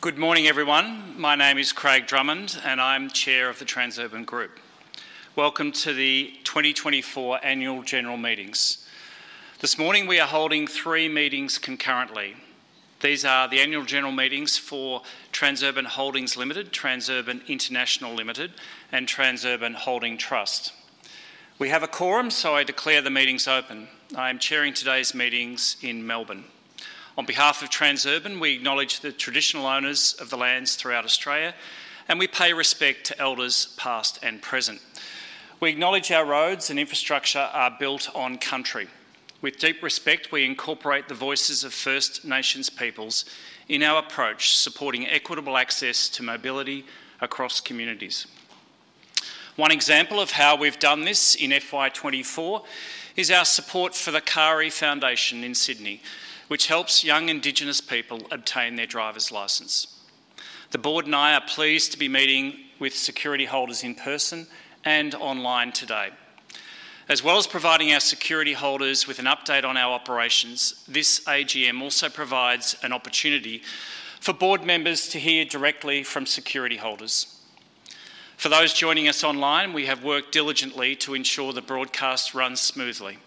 Good morning, everyone. My name is Craig Drummond, and I'm Chair of the Transurban Group. Welcome to the 2024 Annual General Meetings. This morning, we are holding three meetings concurrently. These are the Annual General Meetings for Transurban Holdings Limited, Transurban International Limited, and Transurban Holding Trust. We have a quorum, so I declare the meetings open. I am chairing today's meetings in Melbourne. On behalf of Transurban, we acknowledge the traditional owners of the lands throughout Australia, and we pay respect to elders, past and present. We acknowledge our roads and infrastructure are built on country. With deep respect, we incorporate the voices of First Nations peoples in our approach, supporting equitable access to mobility across communities. One example of how we've done this in FY24 is our support for the KARI Foundation in Sydney, which helps young Indigenous people obtain their driver's license. The board and I are pleased to be meeting with security holders in person and online today. As well as providing our security holders with an update on our operations, this AGM also provides an opportunity for board members to hear directly from security holders. For those joining us online, we have worked diligently to ensure the broadcast runs smoothly.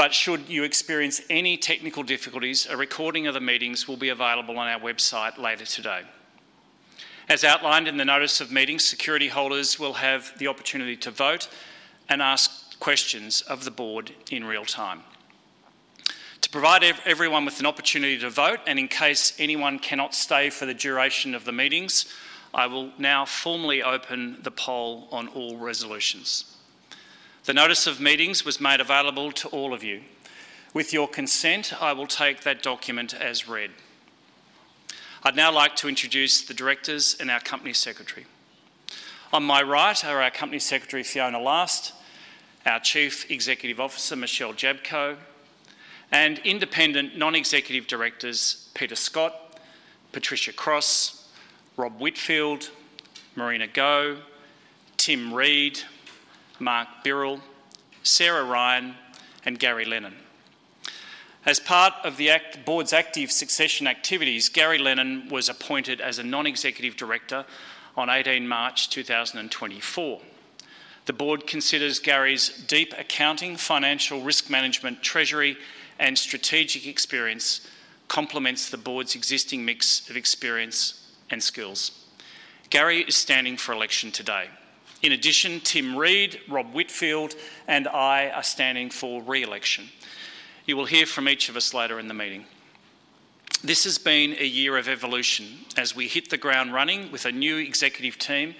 But should you experience any technical difficulties, a recording of the meetings will be available on our website later today. As outlined in the notice of meetings, security holders will have the opportunity to vote and ask questions of the board in real time. To provide everyone with an opportunity to vote, and in case anyone cannot stay for the duration of the meetings, I will now formally open the poll on all resolutions. The notice of meetings was made available to all of you. With your consent, I will take that document as read. I'd now like to introduce the directors and our Company Secretary. On my right are our Company Secretary, Fiona Last, our Chief Executive Officer, Michelle Jablko, and independent non-executive directors, Peter Scott, Patricia Cross, Rob Whitfield, Marina Go, Tim Reed, Mark Birrell, Sarah Ryan, and Gary Lennon. As part of the board's active succession activities, Gary Lennon was appointed as a non-executive director on March 18th, 2024. The board considers Gary's deep accounting, financial risk management, treasury, and strategic experience complements the board's existing mix of experience and skills. Gary is standing for election today. In addition, Tim Reed, Rob Whitfield, and I are standing for re-election. You will hear from each of us later in the meeting. This has been a year of evolution as we hit the ground running with a new executive team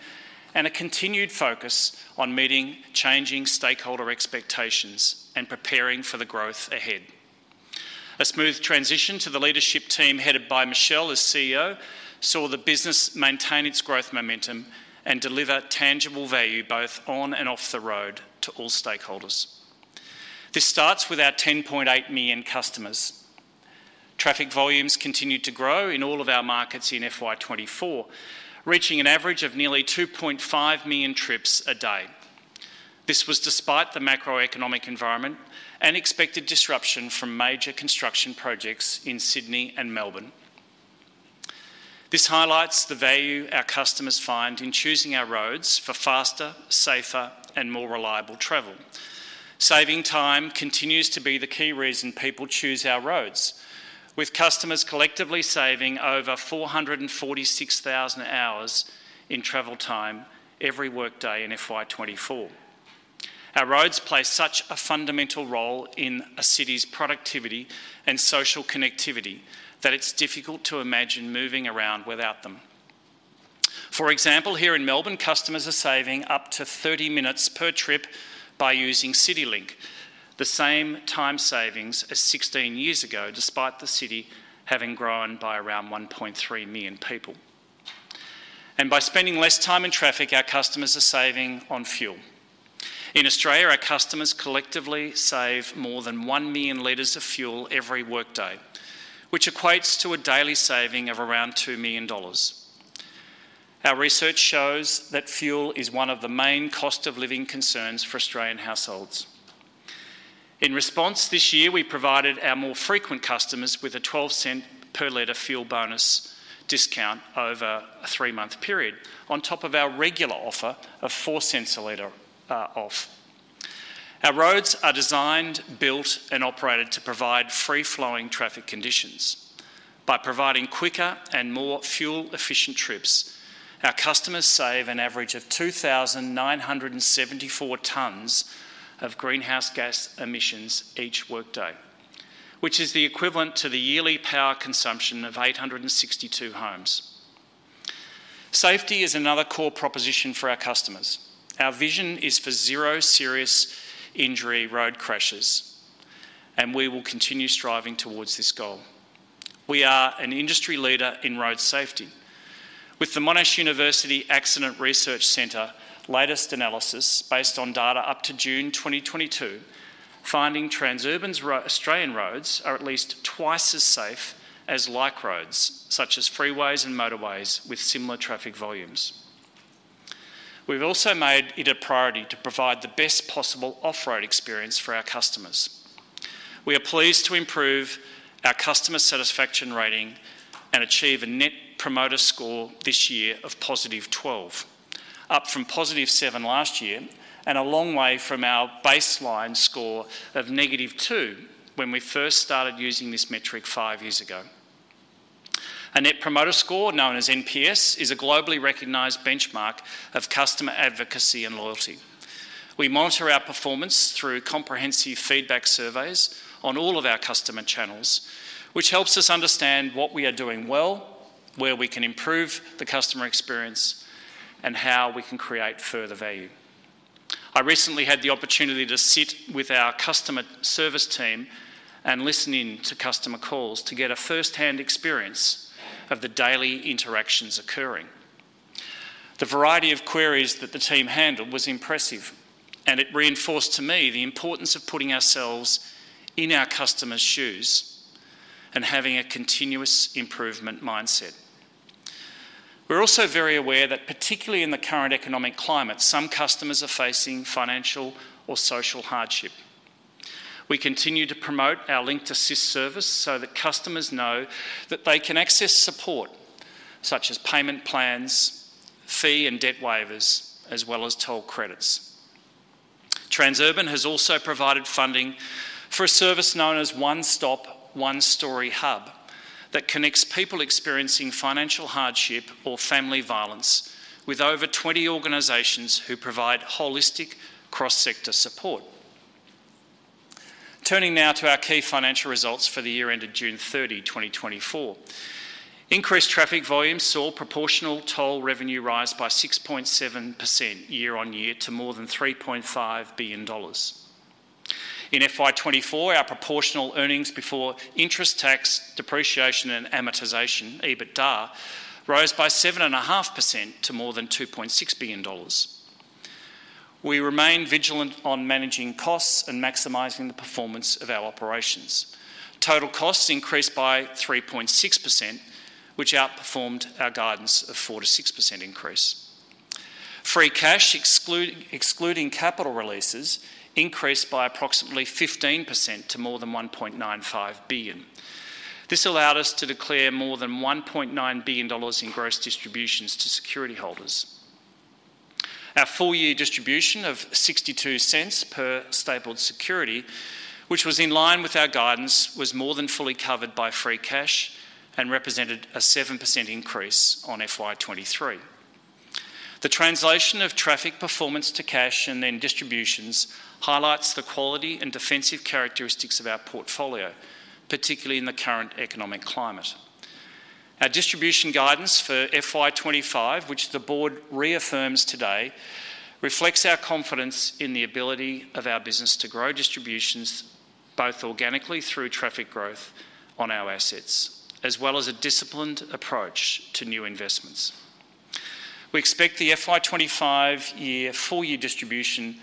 and a continued focus on meeting changing stakeholder expectations and preparing for the growth ahead. A smooth transition to the leadership team, headed by Michelle as CEO, saw the business maintain its growth momentum and deliver tangible value, both on and off the road, to all stakeholders. This starts with our 10.8 million customers. Traffic volumes continued to grow in all of our markets in FY 2024, reaching an average of nearly 2.5 million trips a day. This was despite the macroeconomic environment and expected disruption from major construction projects in Sydney and Melbourne. This highlights the value our customers find in choosing our roads for faster, safer, and more reliable travel. Saving time continues to be the key reason people choose our roads, with customers collectively saving over 446,000 hours in travel time every workday in FY 2024. Our roads play such a fundamental role in a city's productivity and social connectivity that it's difficult to imagine moving around without them. For example, here in Melbourne, customers are saving up to 30 minutes per trip by using CityLink, the same time savings as 16 years ago, despite the city having grown by around 1.3 million people. And by spending less time in traffic, our customers are saving on fuel. In Australia, our customers collectively save more than 1 million L of fuel every workday, which equates to a daily saving of around 2 million dollars. Our research shows that fuel is one of the main cost-of-living concerns for Australian households. In response, this year, we provided our more frequent customers with a 0.12 per liter fuel bonus discount over a three-month period, on top of our regular offer of 0.04 a liter off. Our roads are designed, built, and operated to provide free-flowing traffic conditions. By providing quicker and more fuel-efficient trips, our customers save an average of 2,974 tons of greenhouse gas emissions each workday, which is the equivalent to the yearly power consumption of 862 homes. Safety is another core proposition for our customers. Our vision is for zero serious injury road crashes, and we will continue striving towards this goal. We are an industry leader in road safety, with the Monash University Accident Research Centre latest analysis, based on data up to June twenty twenty-two, finding Transurban's Australian roads are at least twice as safe as like roads, such as freeways and motorways with similar traffic volumes. We've also made it a priority to provide the best possible on-road experience for our customers. We are pleased to improve our customer satisfaction rating and achieve a Net Promoter Score this year of positive twelve, up from positive seven last year, and a long way from our baseline score of negative two when we first started using this metric five years ago. A Net Promoter Score, known as NPS, is a globally recognized benchmark of customer advocacy and loyalty. We monitor our performance through comprehensive feedback surveys on all of our customer channels, which helps us understand what we are doing well, where we can improve the customer experience, and how we can create further value. I recently had the opportunity to sit with our customer service team and listening to customer calls to get a first-hand experience of the daily interactions occurring. The variety of queries that the team handled was impressive, and it reinforced to me the importance of putting ourselves in our customers' shoes and having a continuous improvement mindset. We're also very aware that particularly in the current economic climate, some customers are facing financial or social hardship. We continue to promote our Linkt Assist service so that customers know that they can access support, such as payment plans, fee and debt waivers, as well as toll credits. Transurban has also provided funding for a service known as One Stop One Story Hub that connects people experiencing financial hardship or family violence with over 20 organizations who provide holistic cross-sector support. Turning now to our key financial results for the year ended June 30th, 2024. Increased traffic volumes saw proportional toll revenue rise by 6.7% year-on-year to more than 3.5 billion dollars. In FY 2024, our proportional earnings before interest, tax, depreciation, and amortization, EBITDA, rose by 7.5% to more than 2.6 billion dollars. We remain vigilant on managing costs and maximizing the performance of our operations. Total costs increased by 3.6%, which outperformed our guidance of 4%-6% increase. Free cash, excluding capital releases, increased by approximately 15% to more than 1.95 billion. This allowed us to declare more than 1.9 billion dollars in gross distributions to security holders. Our full-year distribution of 0.62 per stapled security, which was in line with our guidance, was more than fully covered by free cash and represented a 7% increase on FY 2023. The translation of traffic performance to cash and then distributions highlights the quality and defensive characteristics of our portfolio, particularly in the current economic climate. Our distribution guidance for FY 2025, which the board reaffirms today, reflects our confidence in the ability of our business to grow distributions, both organically through traffic growth on our assets, as well as a disciplined approach to new investments. We expect the FY 2025 full-year distribution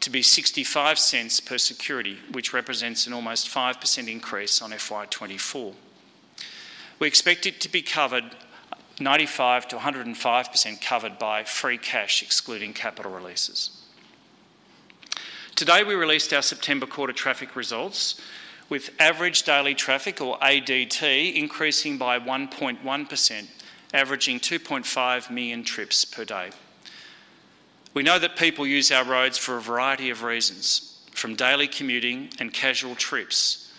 to be 0.65 per security, which represents an almost 5% increase on FY 2024. We expect it to be covered 95%-105% covered by free cash, excluding capital releases. Today, we released our September quarter traffic results, with average daily traffic, or ADT, increasing by 1.1%, averaging 2.5 million trips per day. We know that people use our roads for a variety of reasons, from daily commuting and casual trips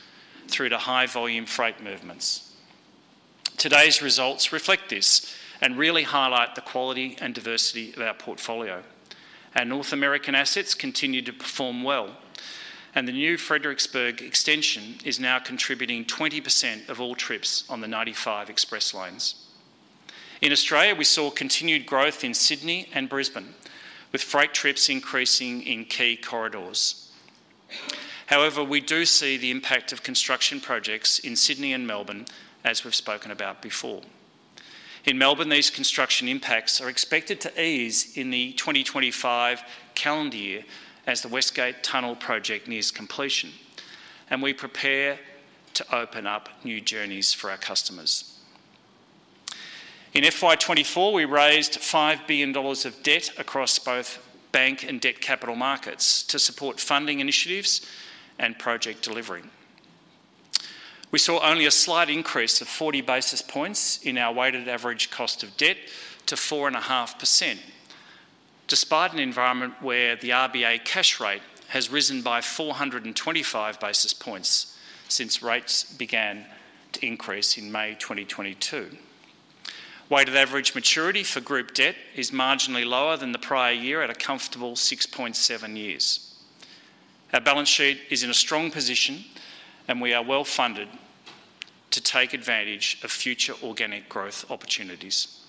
through to high-volume freight movements. Today's results reflect this and really highlight the quality and diversity of our portfolio. Our North American assets continue to perform well, and the new Fredericksburg Extension is now contributing 20% of all trips on the 95 Express Lanes. In Australia, we saw continued growth in Sydney and Brisbane, with freight trips increasing in key corridors. However, we do see the impact of construction projects in Sydney and Melbourne, as we've spoken about before. In Melbourne, these construction impacts are expected to ease in the 2025 calendar year as the West Gate Tunnel Project nears completion, and we prepare to open up new journeys for our customers. In FY 2024, we raised 5 billion dollars of debt across both bank and debt capital markets to support funding initiatives and project delivery. We saw only a slight increase of 40 basis points in our weighted average cost of debt to 4.5%, despite an environment where the RBA cash rate has risen by 425 basis points since rates began to increase in May 2022. Weighted average maturity for group debt is marginally lower than the prior year at a comfortable 6.7 years. Our balance sheet is in a strong position, and we are well-funded to take advantage of future organic growth opportunities.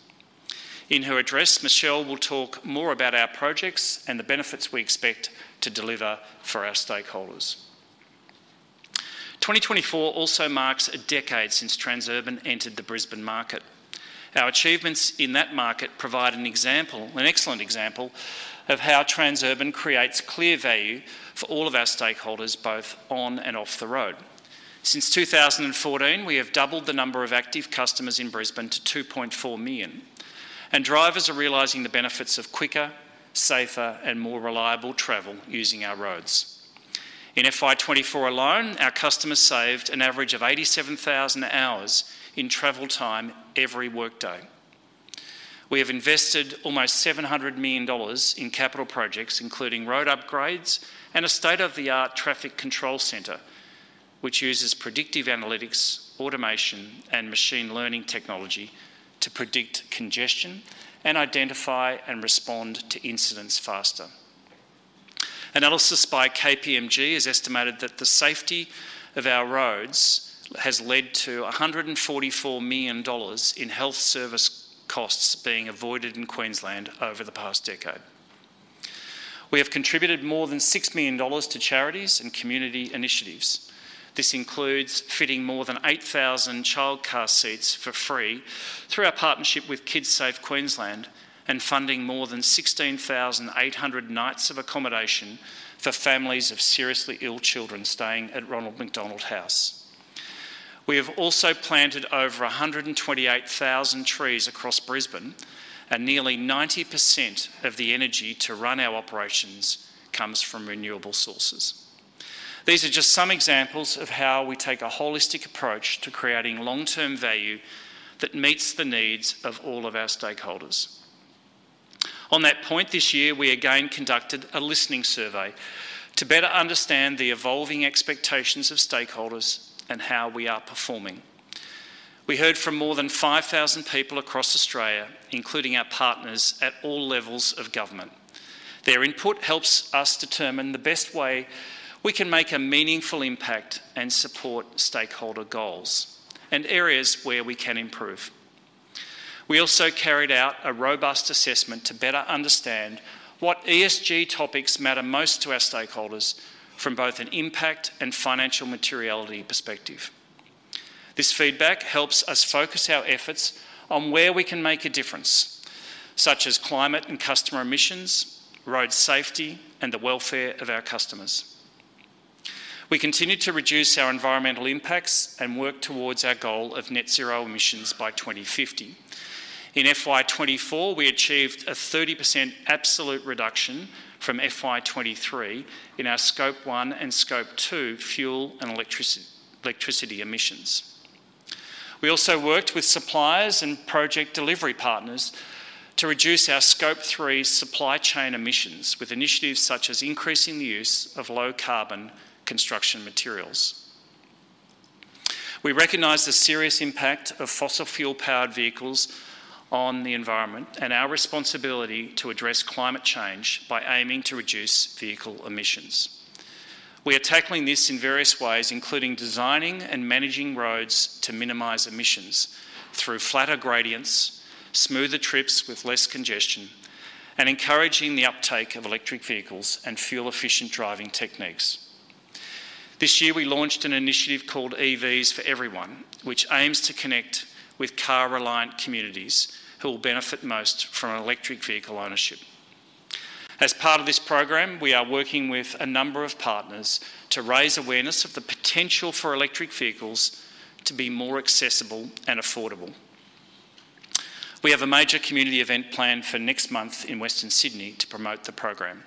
In her address, Michelle will talk more about our projects and the benefits we expect to deliver for our stakeholders. 2024 also marks a decade since Transurban entered the Brisbane market. Our achievements in that market provide an example, an excellent example of how Transurban creates clear value for all of our stakeholders, both on and off the road. Since 2014, we have doubled the number of active customers in Brisbane to 2.4 million, and drivers are realizing the benefits of quicker, safer, and more reliable travel using our roads. In FY 2024 alone, our customers saved an average of 87,000 hours in travel time every workday. We have invested almost 700 million dollars in capital projects, including road upgrades and a state-of-the-art traffic control center, which uses predictive analytics, automation, and machine learning technology to predict congestion and identify and respond to incidents faster. Analysis by KPMG has estimated that the safety of our roads has led to 144 million dollars in health service costs being avoided in Queensland over the past decade. We have contributed more than 6 million dollars to charities and community initiatives. This includes fitting more than 8,000 child car seats for free through our partnership with Kidsafe Queensland, and funding more than 16,800 nights of accommodation for families of seriously ill children staying at Ronald McDonald House. We have also planted over 128,000 trees across Brisbane, and nearly 90% of the energy to run our operations comes from renewable sources. These are just some examples of how we take a holistic approach to creating long-term value that meets the needs of all of our stakeholders. On that point, this year, we again conducted a listening survey to better understand the evolving expectations of stakeholders and how we are performing. We heard from more than 5,000 people across Australia, including our partners at all levels of government. Their input helps us determine the best way we can make a meaningful impact and support stakeholder goals and areas where we can improve. We also carried out a robust assessment to better understand what ESG topics matter most to our stakeholders from both an impact and financial materiality perspective. This feedback helps us focus our efforts on where we can make a difference, such as climate and customer emissions, road safety, and the welfare of our customers. We continue to reduce our environmental impacts and work towards our goal of net zero emissions by 2050. In FY 2024, we achieved a 30% absolute reduction from FY 2023 in our Scope One and Scope Two fuel and electricity emissions. We also worked with suppliers and project delivery partners to reduce our Scope Three supply chain emissions, with initiatives such as increasing the use of low-carbon construction materials. We recognize the serious impact of fossil fuel-powered vehicles on the environment and our responsibility to address climate change by aiming to reduce vehicle emissions. We are tackling this in various ways, including designing and managing roads to minimize emissions through flatter gradients, smoother trips with less congestion, and encouraging the uptake of electric vehicles and fuel-efficient driving techniques. This year, we launched an initiative called EVs for Everyone, which aims to connect with car-reliant communities who will benefit most from electric vehicle ownership. As part of this program, we are working with a number of partners to raise awareness of the potential for electric vehicles to be more accessible and affordable. We have a major community event planned for next month in Western Sydney to promote the program.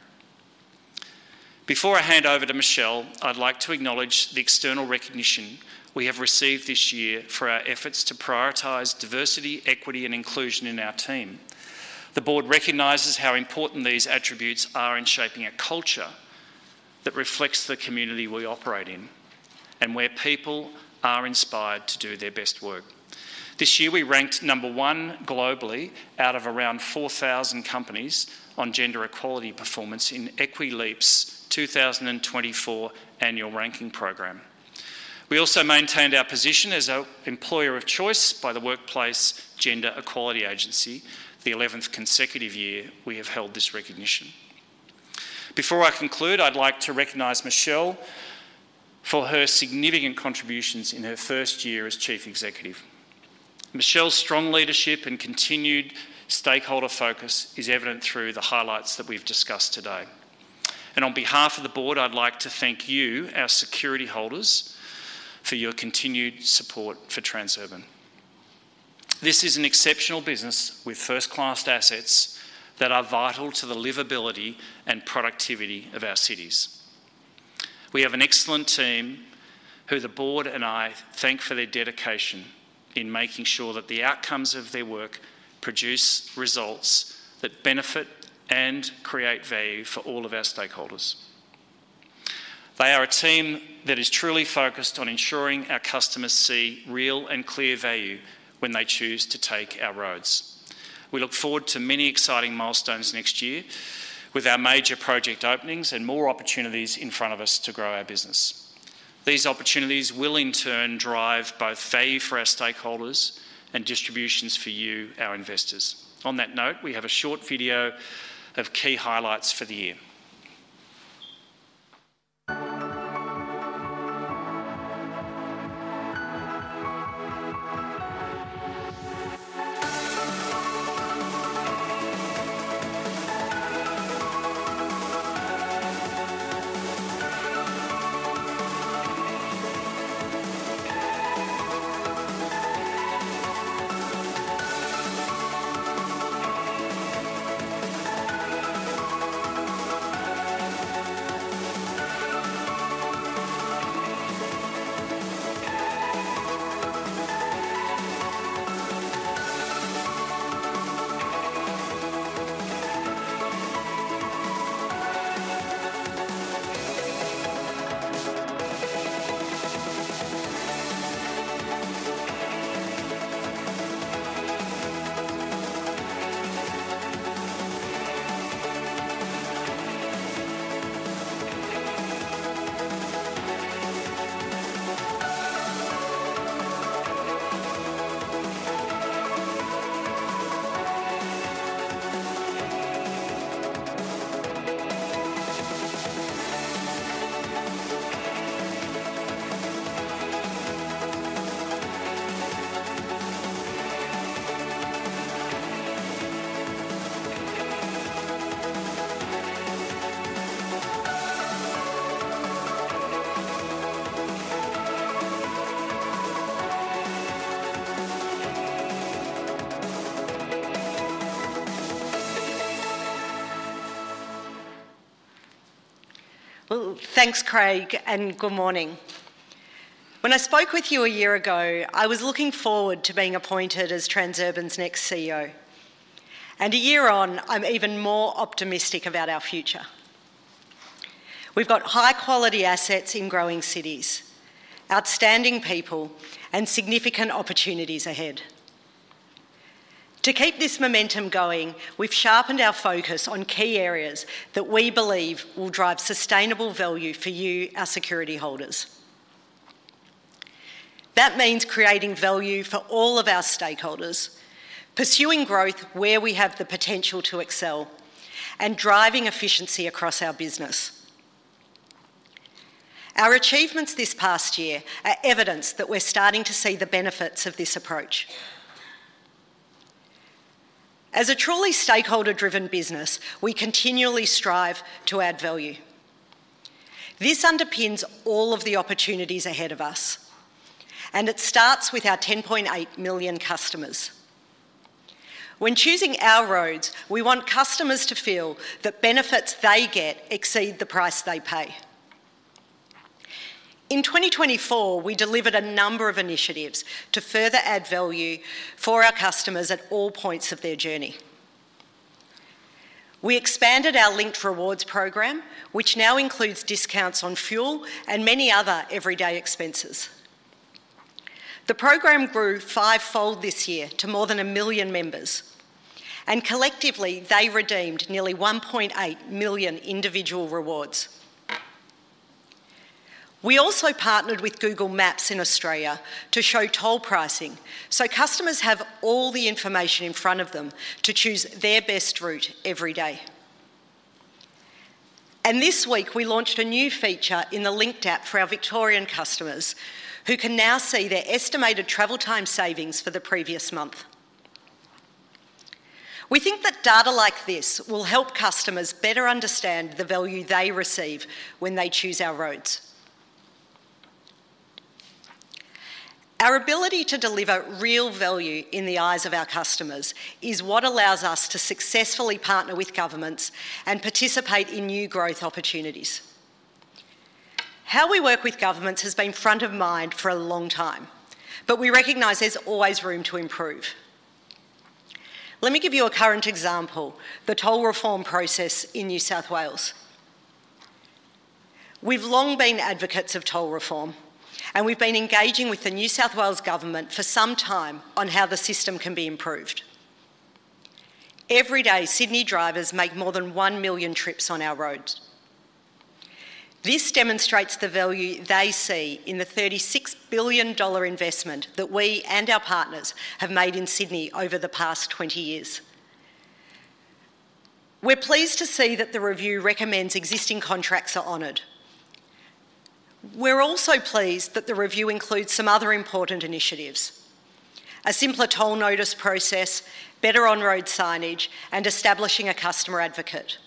Before I hand over to Michelle, I'd like to acknowledge the external recognition we have received this year for our efforts to prioritize diversity, equity, and inclusion in our team. The board recognizes how important these attributes are in shaping a culture that reflects the community we operate in and where people are inspired to do their best work. This year, we ranked number one globally out of around 4,000 companies on gender equality performance in Equileap's 2024 Annual Ranking Program. We also maintained our position as an employer of choice by the Workplace Gender Equality Agency, the eleventh consecutive year we have held this recognition. Before I conclude, I'd like to recognize Michelle for her significant contributions in her first year as Chief Executive. Michelle's strong leadership and continued stakeholder focus is evident through the highlights that we've discussed today. And on behalf of the board, I'd like to thank you, our security holders, for your continued support for Transurban. This is an exceptional business with first-class assets that are vital to the livability and productivity of our cities. We have an excellent team, who the board and I thank for their dedication in making sure that the outcomes of their work produce results that benefit and create value for all of our stakeholders. They are a team that is truly focused on ensuring our customers see real and clear value when they choose to take our roads. We look forward to many exciting milestones next year with our major project openings and more opportunities in front of us to grow our business. These opportunities will in turn drive both value for our stakeholders and distributions for you, our investors. On that note, we have a short video of key highlights for the year. Thanks, Craig, and good morning. When I spoke with you a year ago, I was looking forward to being appointed as Transurban's next CEO, and a year on, I'm even more optimistic about our future. We've got high-quality assets in growing cities, outstanding people, and significant opportunities ahead. To keep this momentum going, we've sharpened our focus on key areas that we believe will drive sustainable value for you, our security holders. That means creating value for all of our stakeholders, pursuing growth where we have the potential to excel, and driving efficiency across our business. Our achievements this past year are evidence that we're starting to see the benefits of this approach. As a truly stakeholder-driven business, we continually strive to add value. This underpins all of the opportunities ahead of us, and it starts with our 10.8 million customers. When choosing our roads, we want customers to feel the benefits they get exceed the price they pay. In 2024, we delivered a number of initiatives to further add value for our customers at all points of their journey. We expanded our Linkt Rewards program, which now includes discounts on fuel and many other everyday expenses. The program grew fivefold this year to more than 1 million members, and collectively, they redeemed nearly 1.8 million individual rewards. We also partnered with Google Maps in Australia to show toll pricing, so customers have all the information in front of them to choose their best route every day. This week, we launched a new feature in the Linkt app for our Victorian customers, who can now see their estimated travel time savings for the previous month. We think that data like this will help customers better understand the value they receive when they choose our roads. Our ability to deliver real value in the eyes of our customers is what allows us to successfully partner with governments and participate in new growth opportunities. How we work with governments has been front of mind for a long time, but we recognize there's always room to improve. Let me give you a current example: the toll reform process in New South Wales. We've long been advocates of toll reform, and we've been engaging with the New South Wales Government for some time on how the system can be improved. Every day, Sydney drivers make more than 1 million trips on our roads. This demonstrates the value they see in the 36 billion dollar investment that we and our partners have made in Sydney over the past 20 years. We're pleased to see that the review recommends existing contracts are honored. We're also pleased that the review includes some other important initiatives: a simpler toll notice process, better on-road signage, and establishing a customer advocate.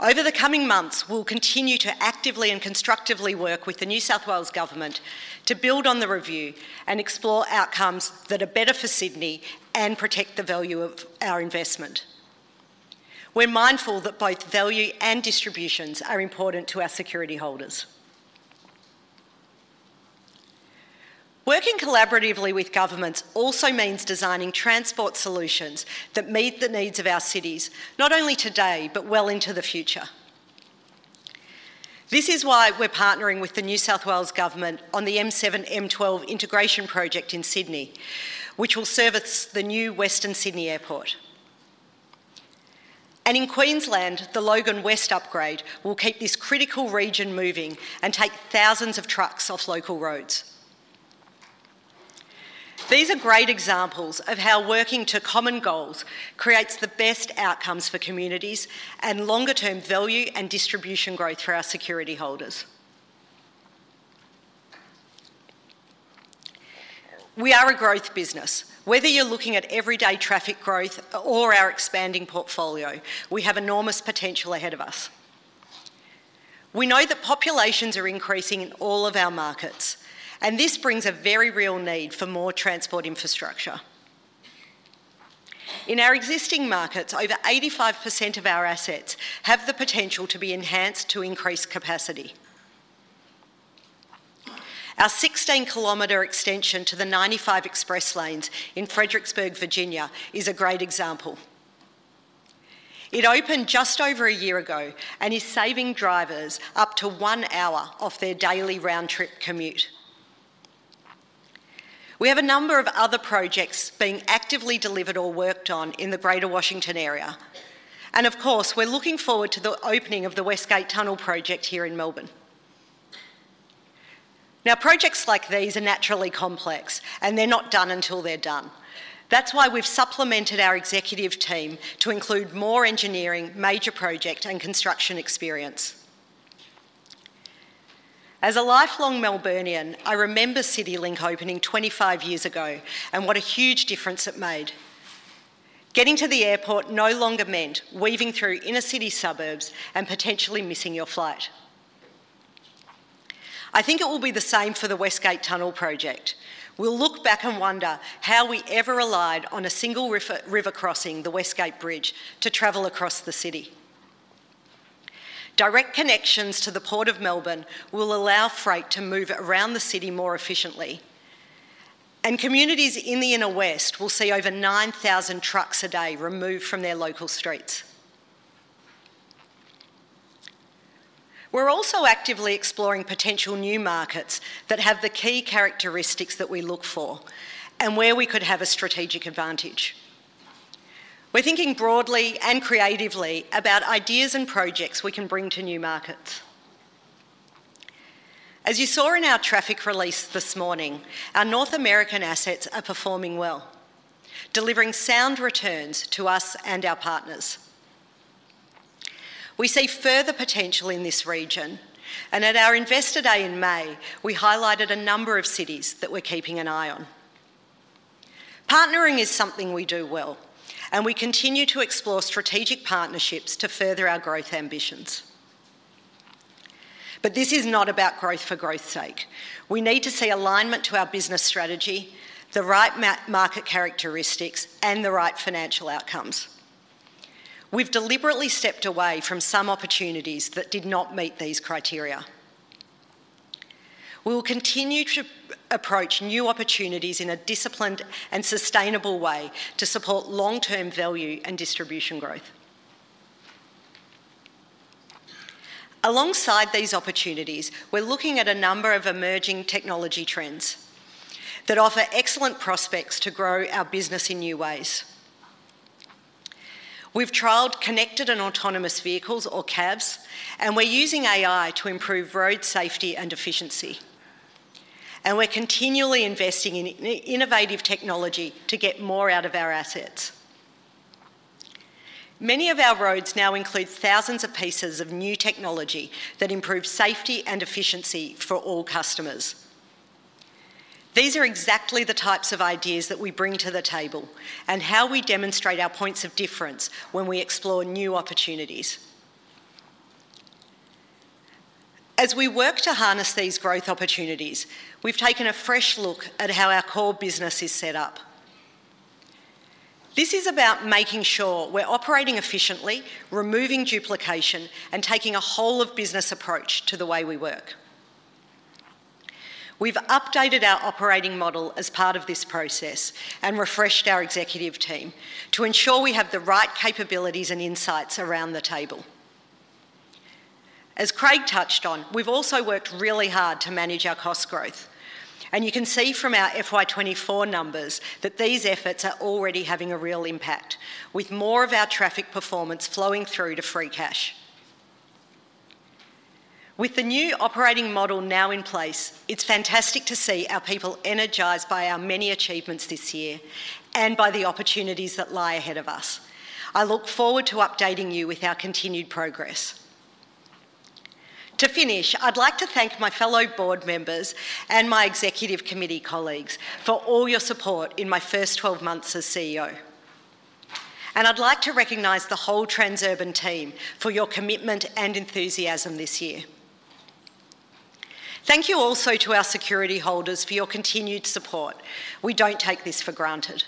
Over the coming months, we'll continue to actively and constructively work with the New South Wales Government to build on the review and explore outcomes that are better for Sydney and protect the value of our investment. We're mindful that both value and distributions are important to our security holders. Working collaboratively with governments also means designing transport solutions that meet the needs of our cities, not only today, but well into the future. This is why we're partnering with the New South Wales Government on the M7/M12 Integration Project in Sydney, which will service the new Western Sydney Airport. In Queensland, the Logan West Upgrade will keep this critical region moving and take thousands of trucks off local roads. These are great examples of how working to common goals creates the best outcomes for communities and longer-term value and distribution growth for our security holders. We are a growth business. Whether you're looking at everyday traffic growth or our expanding portfolio, we have enormous potential ahead of us. We know that populations are increasing in all of our markets, and this brings a very real need for more transport infrastructure. In our existing markets, over 85% of our assets have the potential to be enhanced to increase capacity. Our 16-kilometer extension to the 95 Express Lanes in Fredericksburg, Virginia, is a great example. It opened just over a year ago and is saving drivers up to one hour off their daily round-trip commute. We have a number of other projects being actively delivered or worked on in the Greater Washington area, and of course, we're looking forward to the opening of the West Gate Tunnel Project here in Melbourne. Now, projects like these are naturally complex, and they're not done until they're done. That's why we've supplemented our executive team to include more engineering, major project, and construction experience. As a lifelong Melburnian, I remember CityLink opening twenty-five years ago, and what a huge difference it made. Getting to the airport no longer meant weaving through inner-city suburbs and potentially missing your flight. I think it will be the same for the West Gate Tunnel Project. We'll look back and wonder how we ever relied on a single river crossing, the West Gate Bridge, to travel across the city. Direct connections to the Port of Melbourne will allow freight to move around the city more efficiently, and communities in the inner west will see over 9,000 trucks a day removed from their local streets. We're also actively exploring potential new markets that have the key characteristics that we look for and where we could have a strategic advantage. We're thinking broadly and creatively about ideas and projects we can bring to new markets. As you saw in our traffic release this morning, our North American assets are performing well, delivering sound returns to us and our partners. We see further potential in this region, and at our Investor Day in May, we highlighted a number of cities that we're keeping an eye on. Partnering is something we do well, and we continue to explore strategic partnerships to further our growth ambitions. But this is not about growth for growth's sake. We need to see alignment to our business strategy, the right market characteristics, and the right financial outcomes. We've deliberately stepped away from some opportunities that did not meet these criteria. We will continue to approach new opportunities in a disciplined and sustainable way to support long-term value and distribution growth. Alongside these opportunities, we're looking at a number of emerging technology trends that offer excellent prospects to grow our business in new ways. We've trialed connected and autonomous vehicles, or CAVs, and we're using AI to improve road safety and efficiency, and we're continually investing in innovative technology to get more out of our assets. Many of our roads now include thousands of pieces of new technology that improve safety and efficiency for all customers. These are exactly the types of ideas that we bring to the table and how we demonstrate our points of difference when we explore new opportunities. As we work to harness these growth opportunities, we've taken a fresh look at how our core business is set up. This is about making sure we're operating efficiently, removing duplication, and taking a whole-of-business approach to the way we work. We've updated our operating model as part of this process and refreshed our executive team to ensure we have the right capabilities and insights around the table. As Craig touched on, we've also worked really hard to manage our cost growth, and you can see from our FY 2024 numbers that these efforts are already having a real impact, with more of our traffic performance flowing through to free cash. With the new operating model now in place, it's fantastic to see our people energized by our many achievements this year and by the opportunities that lie ahead of us. I look forward to updating you with our continued progress. To finish, I'd like to thank my fellow board members and my Executive Committee colleagues for all your support in my first twelve months as CEO, and I'd like to recognize the whole Transurban team for your commitment and enthusiasm this year. Thank you also to our security holders for your continued support. We don't take this for granted.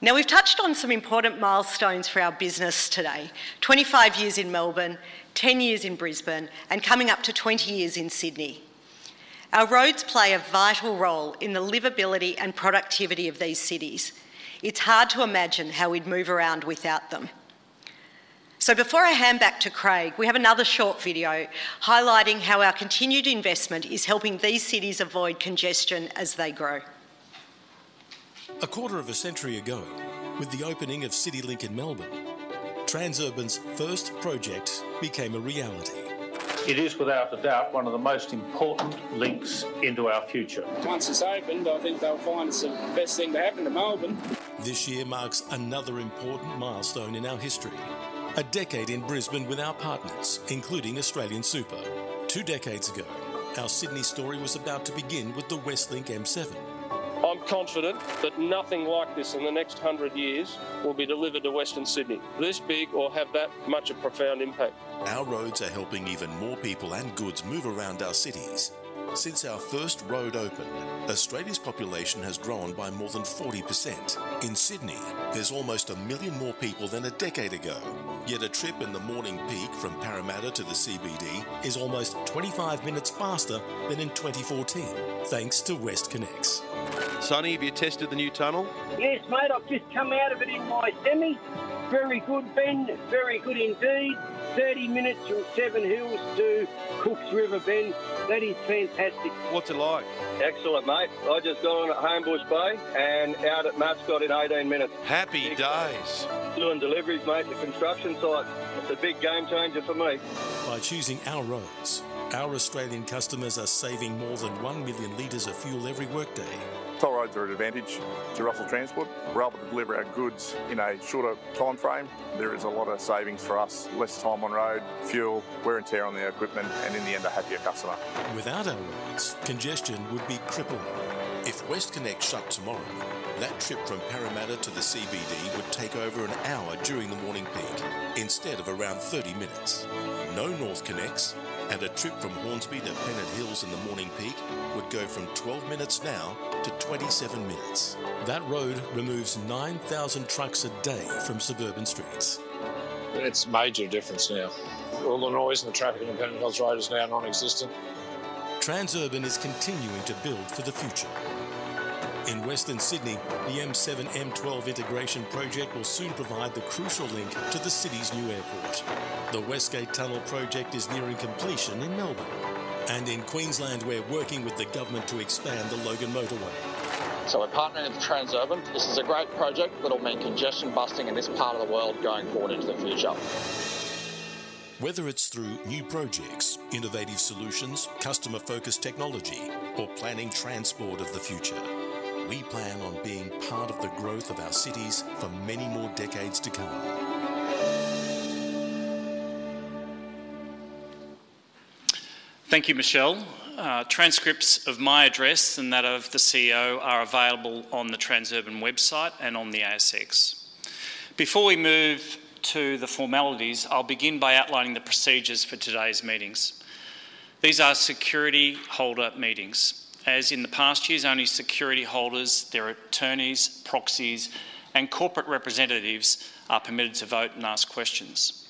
Now, we've touched on some important milestones for our business today: twenty-five years in Melbourne, ten years in Brisbane, and coming up to twenty years in Sydney. Our roads play a vital role in the livability and productivity of these cities. It's hard to imagine how we'd move around without them. So before I hand back to Craig, we have another short video highlighting how our continued investment is helping these cities avoid congestion as they grow. A quarter of a century ago, with the opening of CityLink in Melbourne, Transurban's first project became a reality. It is, without a doubt, one of the most important links into our future. Once it's opened, I think they'll find it's the best thing to happen to Melbourne. This year marks another important milestone in our history. A decade in Brisbane with our partners, including AustralianSuper. Two decades ago, our Sydney story was about to begin with the Westlink M7. I'm confident that nothing like this in the next hundred years will be delivered to Western Sydney, this big or have that much a profound impact. Our roads are helping even more people and goods move around our cities. Since our first road opened, Australia's population has grown by more than 40%. In Sydney, there's almost a million more people than a decade ago, yet a trip in the morning peak from Parramatta to the CBD is almost 25 minutes faster than in 2014, thanks to WestConnex. Sonny, have you tested the new tunnel? Yes, mate, I've just come out of it in my semi. Very good, Ben. Very good indeed. Thirty minutes from Seven Hills to Cooks River, Ben. That is fantastic. What's it like? Excellent, mate. I just got on at Homebush Bay and out at Mascot in 18 minutes. Happy days! Doing deliveries, mate, to construction sites. It's a big game-changer for me. By choosing our roads, our Australian customers are saving more than one million liters of fuel every workday. Toll roads are an advantage to Russell Transport. We're able to deliver our goods in a shorter timeframe. There is a lot of savings for us, less time on road, fuel, wear and tear on the equipment, and in the end, a happier customer. Without our roads, congestion would be tripled. If WestConnex shut tomorrow, that trip from Parramatta to the CBD would take over an hour during the morning peak, instead of around 30 minutes. No NorthConnex, and a trip from Hornsby to Pennant Hills in the morning peak would go from 12 minutes now to 27 minutes. That road removes 9,000 trucks a day from suburban streets. It's a major difference now. All the noise and the traffic on the Pennant Hills Road is now nonexistent. Transurban is continuing to build for the future. In Western Sydney, the M7/M12 Integration Project will soon provide the crucial link to the city's new airport. The West Gate Tunnel Project is nearing completion in Melbourne, and in Queensland, we're working with the government to expand the Logan Motorway. So we're partnering with Transurban. This is a great project that'll mean congestion busting in this part of the world going forward into the future. Whether it's through new projects, innovative solutions, customer-focused technology, or planning transport of the future, we plan on being part of the growth of our cities for many more decades to come. Thank you, Michelle. Transcripts of my address and that of the CEO are available on the Transurban website and on the ASX. Before we move to the formalities, I'll begin by outlining the procedures for today's meetings. These are security holder meetings. As in the past years, only security holders, their attorneys, proxies, and corporate representatives are permitted to vote and ask questions.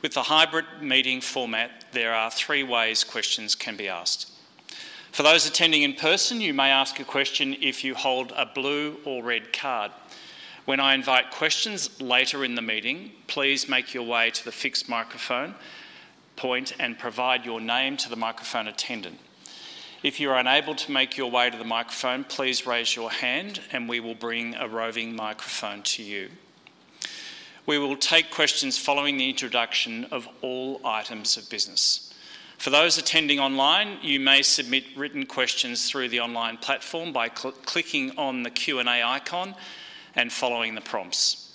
With the hybrid meeting format, there are three ways questions can be asked. For those attending in person, you may ask a question if you hold a blue or red card. When I invite questions later in the meeting, please make your way to the fixed microphone point and provide your name to the microphone attendant. If you are unable to make your way to the microphone, please raise your hand, and we will bring a roving microphone to you. We will take questions following the introduction of all items of business. For those attending online, you may submit written questions through the online platform by clicking on the Q&A icon and following the prompts.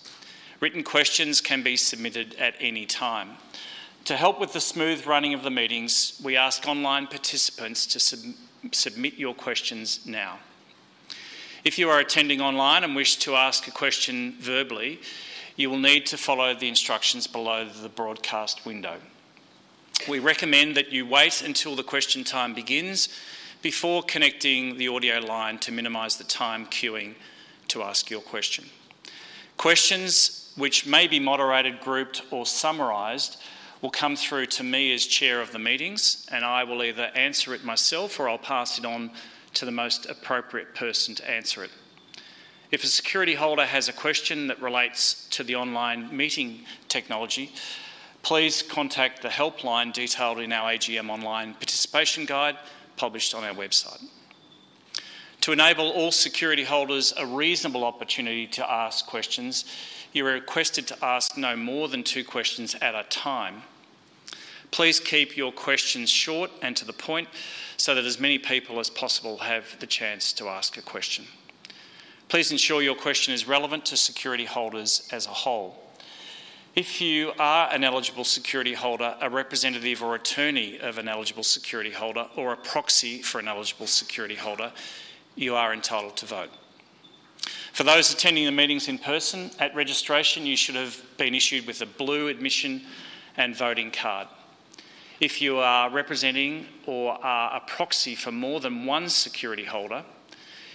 Written questions can be submitted at any time. To help with the smooth running of the meetings, we ask online participants to submit your questions now. If you are attending online and wish to ask a question verbally, you will need to follow the instructions below the broadcast window. We recommend that you wait until the question time begins before connecting the audio line to minimize the time queuing to ask your question. Questions, which may be moderated, grouped, or summarized, will come through to me as chair of the meetings, and I will either answer it myself, or I'll pass it on to the most appropriate person to answer it. If a security holder has a question that relates to the online meeting technology, please contact the helpline detailed in our AGM online participation guide, published on our website. To enable all security holders a reasonable opportunity to ask questions, you are requested to ask no more than two questions at a time. Please keep your questions short and to the point, so that as many people as possible have the chance to ask a question. Please ensure your question is relevant to security holders as a whole. If you are an eligible security holder, a representative or attorney of an eligible security holder, or a proxy for an eligible security holder, you are entitled to vote. For those attending the meetings in person, at registration, you should have been issued with a blue admission and voting card. If you are representing or are a proxy for more than one security holder,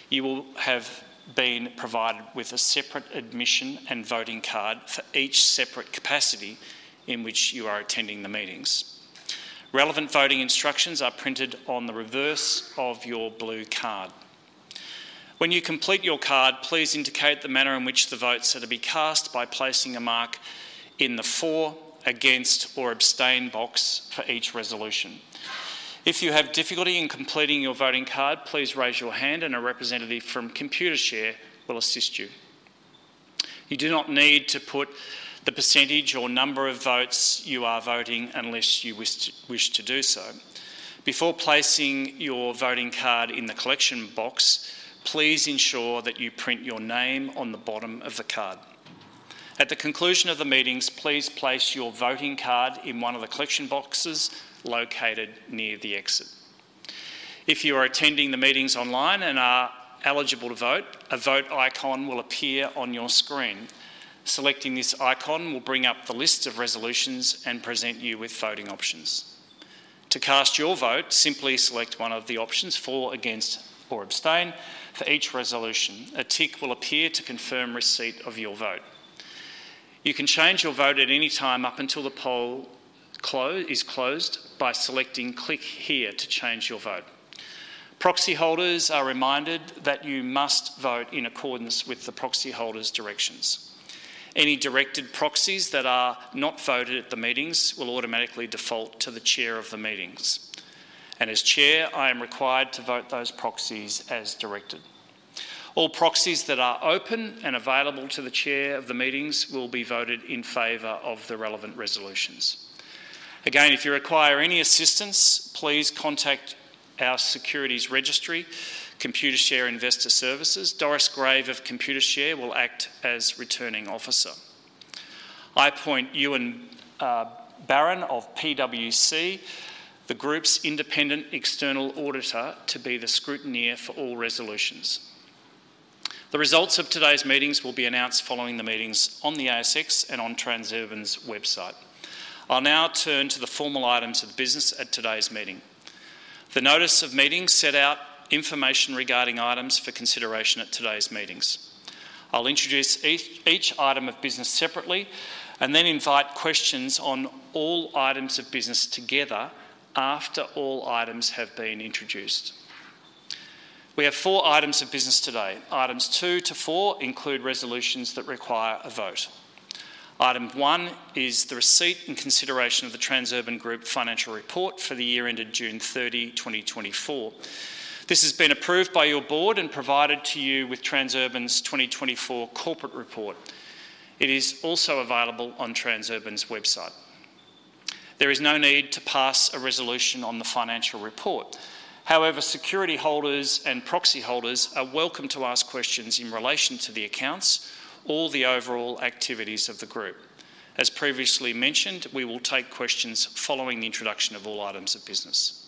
you will have been provided with a separate admission and voting card for each separate capacity in which you are attending the meetings. Relevant voting instructions are printed on the reverse of your blue card. When you complete your card, please indicate the manner in which the votes are to be cast by placing a mark in the for, against, or abstain box for each resolution. If you have difficulty in completing your voting card, please raise your hand, and a representative from Computershare will assist you. You do not need to put the percentage or number of votes you are voting, unless you wish to do so. Before placing your voting card in the collection box, please ensure that you print your name on the bottom of the card. At the conclusion of the meetings, please place your voting card in one of the collection boxes located near the exit. If you are attending the meetings online and are eligible to vote, a vote icon will appear on your screen. Selecting this icon will bring up the list of resolutions and present you with voting options. To cast your vote, simply select one of the options, for, against, or abstain for each resolution. A tick will appear to confirm receipt of your vote. You can change your vote at any time up until the poll closes by selecting Click here to change your vote. Proxy holders are reminded that you must vote in accordance with the proxy holder's directions. Any directed proxies that are not voted at the meetings will automatically default to the chair of the meetings, and as chair, I am required to vote those proxies as directed. All proxies that are open and available to the chair of the meetings will be voted in favor of the relevant resolutions. Again, if you require any assistance, please contact our securities registry, Computershare Investor Services. Doris Grave of Computershare will act as Returning Officer. I appoint Ewan Barron of PwC, the group's independent external auditor, to be the scrutineer for all resolutions. The results of today's meetings will be announced following the meetings on the ASX and on Transurban's website. I'll now turn to the formal items of business at today's meeting. The notice of meetings set out information regarding items for consideration at today's meetings. I'll introduce each item of business separately and then invite questions on all items of business together after all items have been introduced. We have four items of business today. Items two to four include resolutions that require a vote. Item one is the receipt and consideration of the Transurban Group financial report for the year ended June 30th, 2024. This has been approved by your board and provided to you with Transurban's 2024 corporate report. It is also available on Transurban's website. There is no need to pass a resolution on the financial report. However, security holders and proxy holders are welcome to ask questions in relation to the accounts or the overall activities of the group. As previously mentioned, we will take questions following the introduction of all items of business.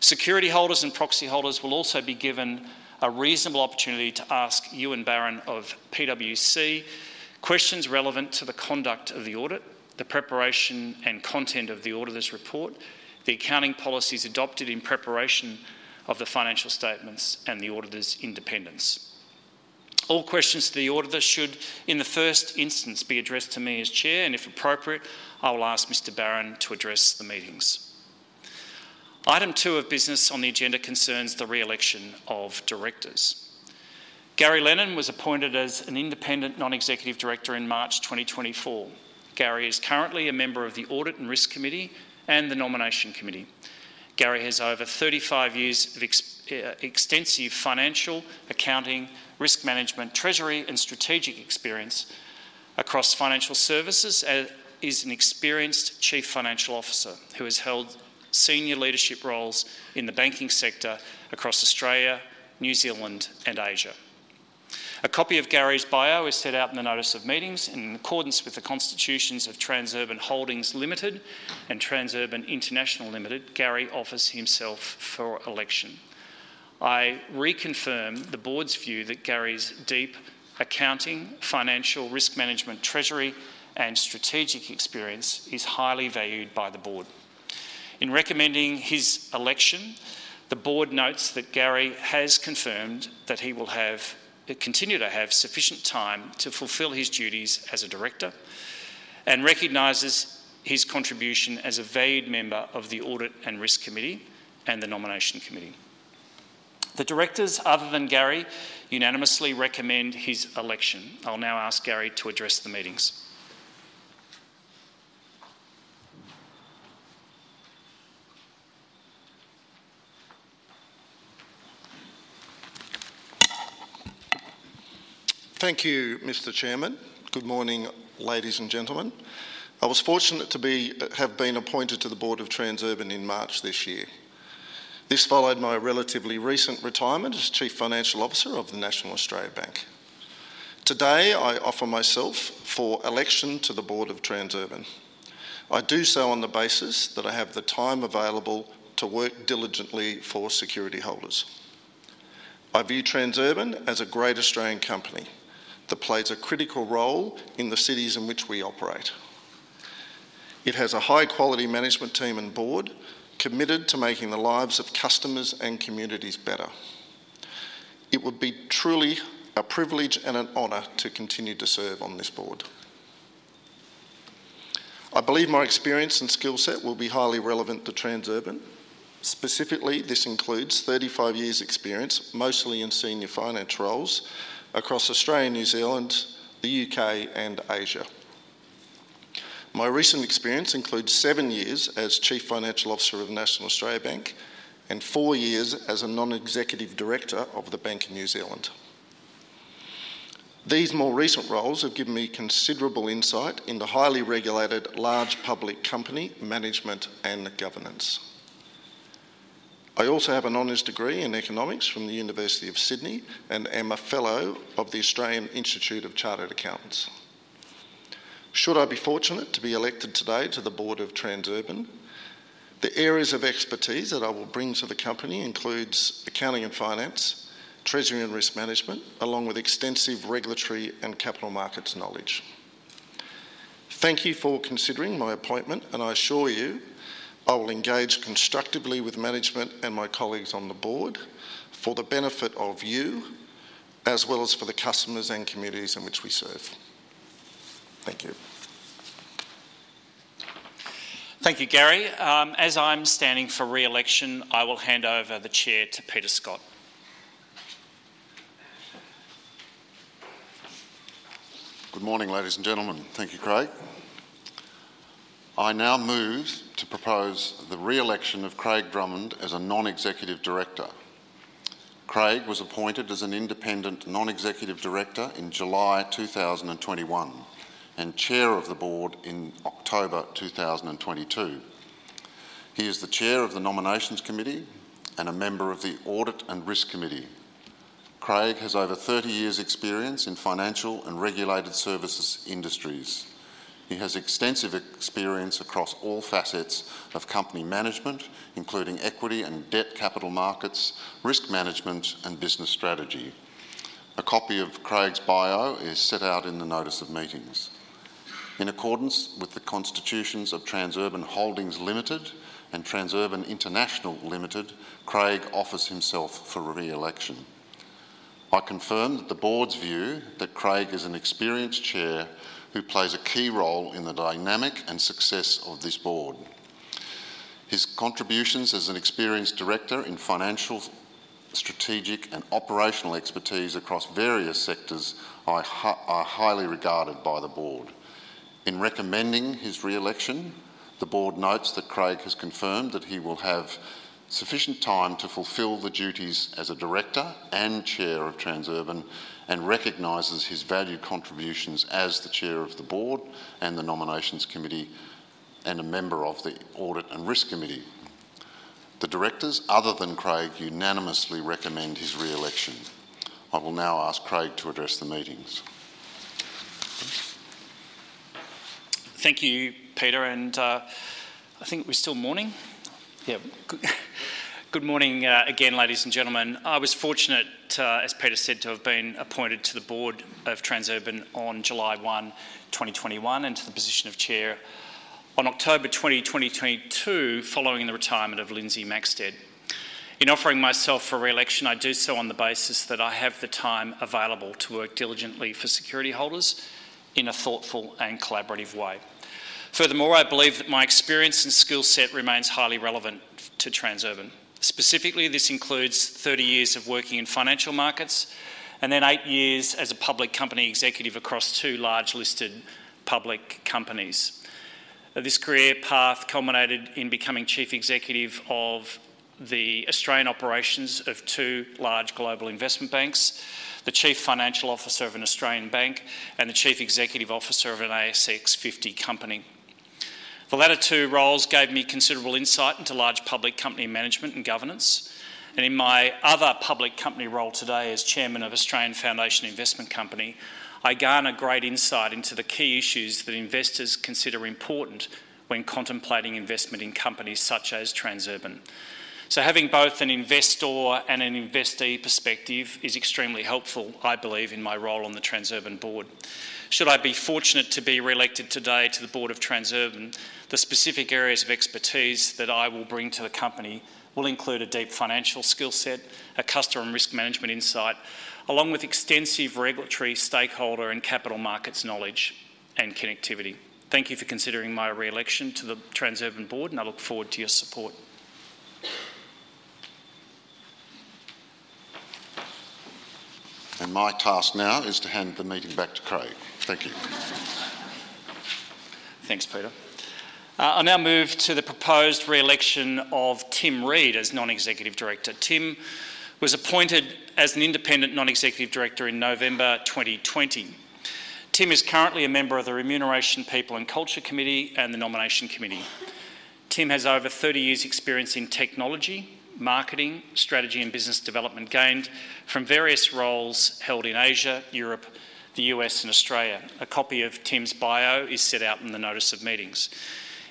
Security holders and proxy holders will also be given a reasonable opportunity to ask Ewan Barron of PwC questions relevant to the conduct of the audit, the preparation and content of the auditor's report, the accounting policies adopted in preparation of the financial statements, and the auditor's independence. All questions to the auditor should, in the first instance, be addressed to me as chair, and if appropriate, I will ask Mr. Barron to address the meetings. Item two of business on the agenda concerns the re-election of directors. Gary Lennon was appointed as an independent non-executive director in March 2024. Gary is currently a member of the Audit and Risk Committee and the Nomination Committee. Gary has over thirty-five years of extensive financial, accounting, risk management, treasury, and strategic experience across financial services and is an experienced chief financial officer who has held senior leadership roles in the banking sector across Australia, New Zealand, and Asia. A copy of Gary's bio is set out in the notice of meetings. In accordance with the constitutions of Transurban Holdings Limited and Transurban International Limited, Gary offers himself for election. I reconfirm the board's view that Gary's deep accounting, financial, risk management, treasury, and strategic experience is highly valued by the board. In recommending his election, the board notes that Gary has confirmed that he will continue to have sufficient time to fulfill his duties as a director and recognizes his contribution as a valued member of the Audit and Risk Committee and the Nomination Committee. The directors, other than Gary, unanimously recommend his election. I'll now ask Gary to address the meetings. Thank you, Mr. Chairman. Good morning, ladies and gentlemen. I was fortunate to have been appointed to the board of Transurban in March this year. This followed my relatively recent retirement as Chief Financial Officer of the National Australia Bank. Today, I offer myself for election to the board of Transurban. I do so on the basis that I have the time available to work diligently for security holders. I view Transurban as a great Australian company that plays a critical role in the cities in which we operate. It has a high-quality management team and board committed to making the lives of customers and communities better. It would be truly a privilege and an honor to continue to serve on this board. I believe my experience and skill set will be highly relevant to Transurban. Specifically, this includes thirty-five years' experience, mostly in senior finance roles, across Australia, New Zealand, the U.K., and Asia. My recent experience includes seven years as Chief Financial Officer of National Australia Bank and four years as a non-executive director of the Bank of New Zealand. These more recent roles have given me considerable insight into highly regulated, large public company management and governance. I also have an honors degree in economics from the University of Sydney, and am a fellow of the Australian Institute of Chartered Accountants. Should I be fortunate to be elected today to the board of Transurban, the areas of expertise that I will bring to the company includes accounting and finance, treasury and risk management, along with extensive regulatory and capital markets knowledge. Thank you for considering my appointment, and I assure you, I will engage constructively with management and my colleagues on the board for the benefit of you, as well as for the customers and communities in which we serve. Thank you. Thank you, Gary. As I'm standing for re-election, I will hand over the chair to Peter Scott. Good morning, ladies and gentlemen. Thank you, Craig. I now move to propose the re-election of Craig Drummond as a non-executive director. Craig was appointed as an independent non-executive director in July 2021, and chair of the board in October 2022. He is the chair of the Nominations Committee and a member of the Audit and Risk Committee. Craig has over 30 years experience in financial and regulated services industries. He has extensive experience across all facets of company management, including equity and debt capital markets, risk management, and business strategy. A copy of Craig's bio is set out in the notice of meetings. In accordance with the constitutions of Transurban Holdings Limited and Transurban International Limited, Craig offers himself for re-election. I confirm that the board's view that Craig is an experienced chair, who plays a key role in the dynamic and success of this board. His contributions as an experienced director in financial, strategic, and operational expertise across various sectors are highly regarded by the board. In recommending his re-election, the board notes that Craig has confirmed that he will have sufficient time to fulfill the duties as a director and chair of Transurban, and recognises his valued contributions as the chair of the board and the Nominations Committee, and a member of the Audit and Risk Committee. The directors, other than Craig, unanimously recommend his re-election. I will now ask Craig to address the meetings. Thank you, Peter, and I think we're still morning? Yeah. Good morning, again, ladies and gentlemen. I was fortunate, as Peter said, to have been appointed to the board of Transurban on July 1st, 2021, and to the position of Chair on October 20th, 2022, following the retirement of Lindsay Maxted. In offering myself for re-election, I do so on the basis that I have the time available to work diligently for security holders in a thoughtful and collaborative way. Furthermore, I believe that my experience and skill set remains highly relevant to Transurban. Specifically, this includes thirty years of working in financial markets, and then eight years as a public company executive across two large-listed public companies. This career path culminated in becoming Chief Executive of the Australian operations of two large global investment banks, the Chief Financial Officer of an Australian bank, and the Chief Executive Officer of an ASX 50 company. The latter two roles gave me considerable insight into large public company management and governance, and in my other public company role today as chairman of Australian Foundation Investment Company, I gain a great insight into the key issues that investors consider important when contemplating investment in companies such as Transurban. So having both an investor and an investee perspective is extremely helpful, I believe, in my role on the Transurban board. Should I be fortunate to be re-elected today to the board of Transurban, the specific areas of expertise that I will bring to the company will include a deep financial skill set, a customer and risk management insight, along with extensive regulatory, stakeholder, and capital markets knowledge and connectivity. Thank you for considering my re-election to the Transurban board, and I look forward to your support. My task now is to hand the meeting back to Craig. Thank you. Thanks, Peter. I now move to the proposed re-election of Tim Reed as non-executive director. Tim was appointed as an independent non-executive director in November 2020. Tim is currently a member of the Remuneration, People and Culture Committee and the Nomination Committee. Tim has over 30 years' experience in technology, marketing, strategy, and business development, gained from various roles held in Asia, Europe, the U.S., and Australia. A copy of Tim's bio is set out in the notice of meetings.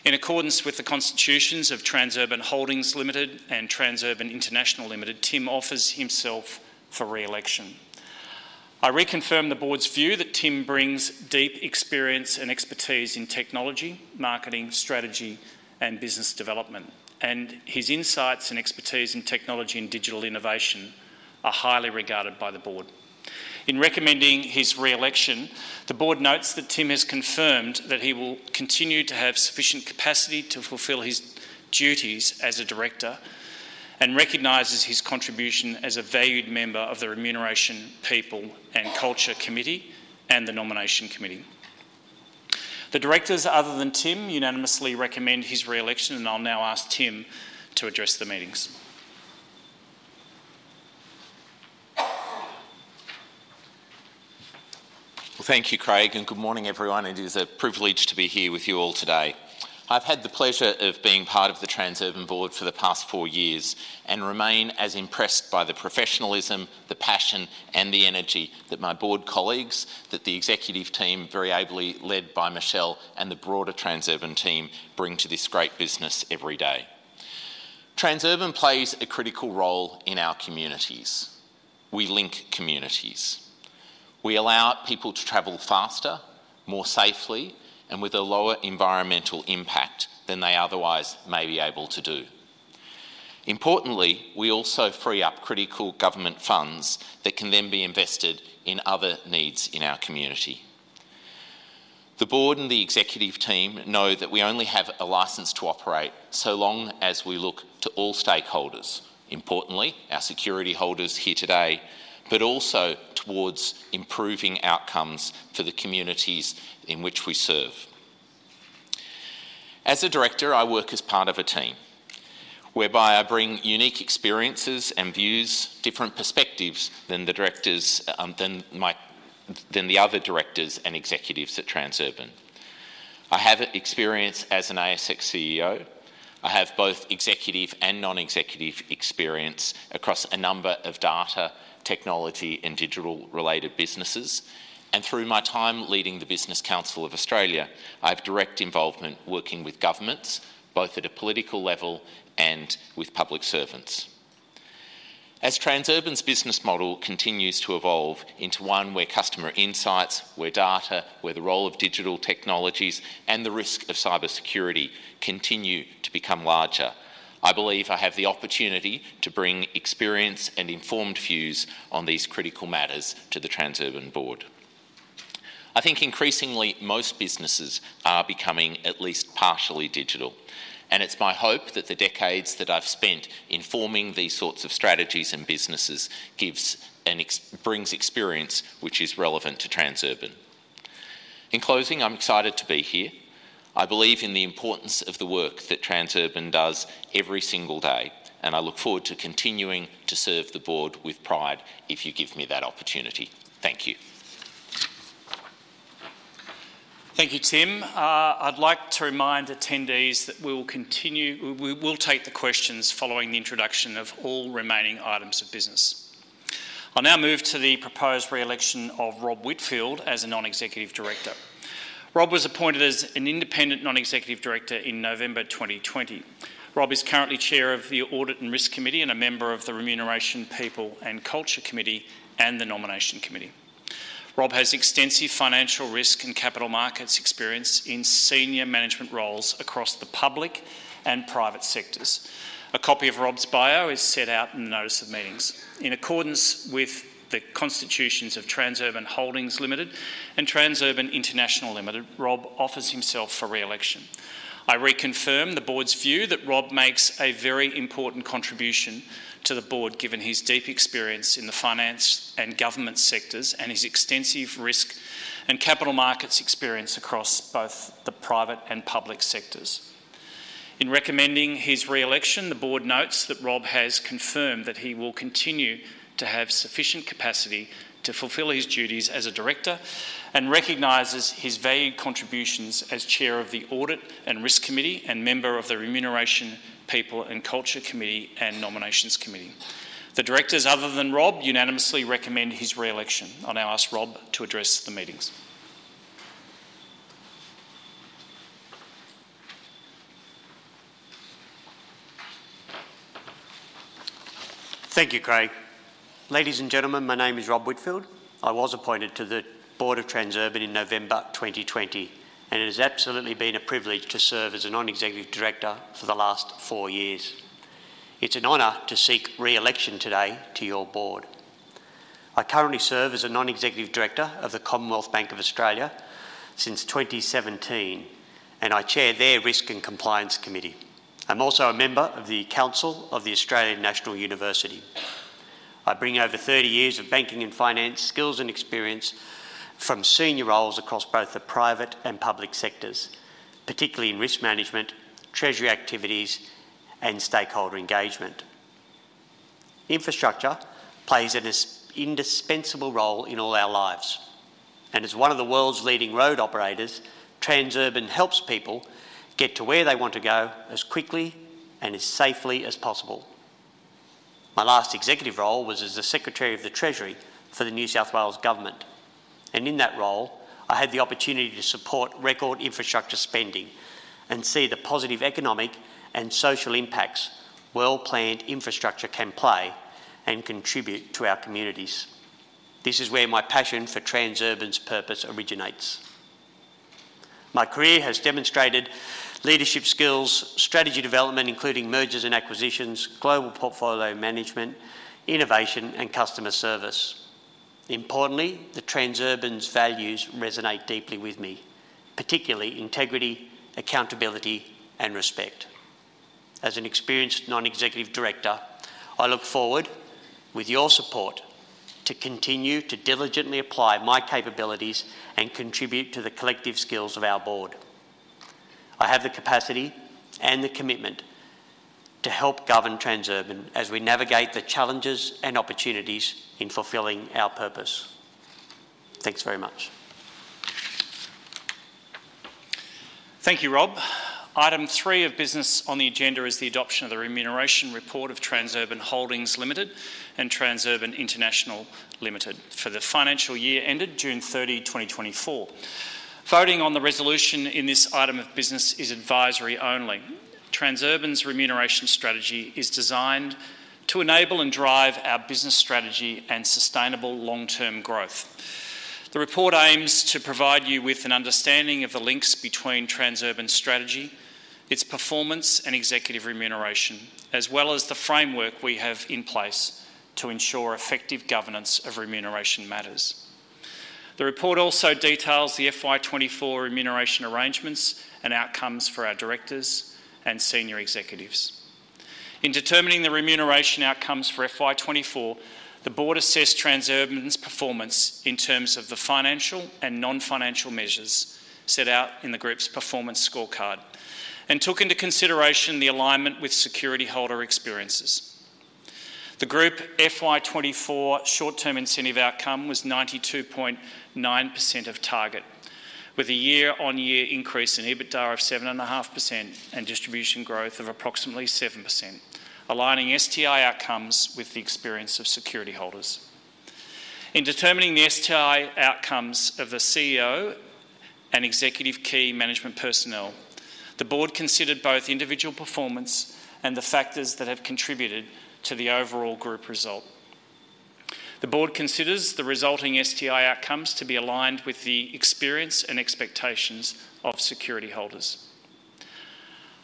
In accordance with the constitutions of Transurban Holdings Limited and Transurban International Limited, Tim offers himself for re-election. I reconfirm the board's view that Tim brings deep experience and expertise in technology, marketing, strategy, and business development, and his insights and expertise in technology and digital innovation are highly regarded by the board. In recommending his re-election, the board notes that Tim has confirmed that he will continue to have sufficient capacity to fulfill his duties as a director, and recognizes his contribution as a valued member of the Remuneration, People and Culture Committee and the Nomination Committee. The directors, other than Tim, unanimously recommend his re-election, and I'll now ask Tim to address the meetings. Thank you, Craig, and good morning, everyone. It is a privilege to be here with you all today. I've had the pleasure of being part of the Transurban board for the past four years, and remain as impressed by the professionalism, the passion, and the energy that my board colleagues, the executive team, very ably led by Michelle, and the broader Transurban team bring to this great business every day. Transurban plays a critical role in our communities. We link communities. We allow people to travel faster, more safely, and with a lower environmental impact than they otherwise may be able to do. Importantly, we also free up critical government funds that can then be invested in other needs in our community. The board and the executive team know that we only have a license to operate so long as we look to all stakeholders, importantly, our security holders here today, but also towards improving outcomes for the communities in which we serve. As a director, I work as part of a team, whereby I bring unique experiences and views, different perspectives than the other directors and executives at Transurban. I have experience as an ASX CEO. I have both executive and non-executive experience across a number of data, technology, and digital-related businesses, and through my time leading the Business Council of Australia, I have direct involvement working with governments, both at a political level and with public servants. As Transurban's business model continues to evolve into one where customer insights, where data, where the role of digital technologies, and the risk of cybersecurity continue to become larger, I believe I have the opportunity to bring experience and informed views on these critical matters to the Transurban board. I think increasingly most businesses are becoming at least partially digital, and it's my hope that the decades that I've spent in forming these sorts of strategies and businesses brings experience which is relevant to Transurban. In closing, I'm excited to be here. I believe in the importance of the work that Transurban does every single day, and I look forward to continuing to serve the board with pride if you give me that opportunity. Thank you. Thank you, Tim. I'd like to remind attendees that we will continue, we will take the questions following the introduction of all remaining items of business. I'll now move to the proposed re-election of Rob Whitfield as a non-executive director. Rob was appointed as an independent non-executive director in November 2020. Rob is currently chair of the Audit and Risk Committee and a member of the Remuneration, People, and Culture Committee and the Nomination Committee. Rob has extensive financial risk and capital markets experience in senior management roles across the public and private sectors. A copy of Rob's bio is set out in the notice of meetings. In accordance with the constitutions of Transurban Holdings Limited and Transurban International Limited, Rob offers himself for re-election. I reconfirm the board's view that Rob makes a very important contribution to the board, given his deep experience in the finance and government sectors, and his extensive risk and capital markets experience across both the private and public sectors. In recommending his re-election, the board notes that Rob has confirmed that he will continue to have sufficient capacity to fulfill his duties as a director and recognizes his valued contributions as chair of the Audit and Risk Committee and member of the Remuneration, People, and Culture Committee and Nominations Committee. The directors, other than Rob, unanimously recommend his re-election. I'll now ask Rob to address the meetings. Thank you, Craig. Ladies and gentlemen, my name is Rob Whitfield. I was appointed to the board of Transurban in November 2020, and it has absolutely been a privilege to serve as a non-executive director for the last 4 years. It's an honor to seek re-election today to your board. I currently serve as a non-executive director of the Commonwealth Bank of Australia since 2017, and I chair their Risk and Compliance Committee. I'm also a member of the Council of the Australian National University. I bring over 30 years of banking and finance skills and experience from senior roles across both the private and public sectors, particularly in risk management, treasury activities, and stakeholder engagement. Infrastructure plays an indispensable role in all our lives, and as one of the world's leading road operators, Transurban helps people get to where they want to go as quickly and as safely as possible. My last executive role was as the Secretary of the Treasury for the New South Wales Government, and in that role, I had the opportunity to support record infrastructure spending and see the positive economic and social impacts well-planned infrastructure can play and contribute to our communities. This is where my passion for Transurban's purpose originates. My career has demonstrated leadership skills, strategy development, including mergers and acquisitions, global portfolio management, innovation, and customer service. Importantly, Transurban's values resonate deeply with me, particularly integrity, accountability, and respect. As an experienced non-executive director, I look forward, with your support, to continue to diligently apply my capabilities and contribute to the collective skills of our board. I have the capacity and the commitment to help govern Transurban as we navigate the challenges and opportunities in fulfilling our purpose. Thanks very much. Thank you, Rob. Item three of business on the agenda is the adoption of the Remuneration Report of Transurban Holdings Limited and Transurban International Limited for the financial year ended June 30th, 2024. Voting on the resolution in this item of business is advisory only. Transurban's remuneration strategy is designed to enable and drive our business strategy and sustainable long-term growth. The report aims to provide you with an understanding of the links between Transurban's strategy, its performance, and executive remuneration, as well as the framework we have in place to ensure effective governance of remuneration matters. The report also details the FY24 remuneration arrangements and outcomes for our directors and senior executives. In determining the remuneration outcomes for FY24, the board assessed Transurban's performance in terms of the financial and non-financial measures set out in the group's performance scorecard, and took into consideration the alignment with security holder experiences. The group FY24 short-term incentive outcome was 92.9% of target, with a year-on-year increase in EBITDA of 7.5% and distribution growth of approximately 7%, aligning STI outcomes with the experience of security holders. In determining the STI outcomes of the CEO and executive key management personnel, the board considered both individual performance and the factors that have contributed to the overall group result. The board considers the resulting STI outcomes to be aligned with the experience and expectations of security holders.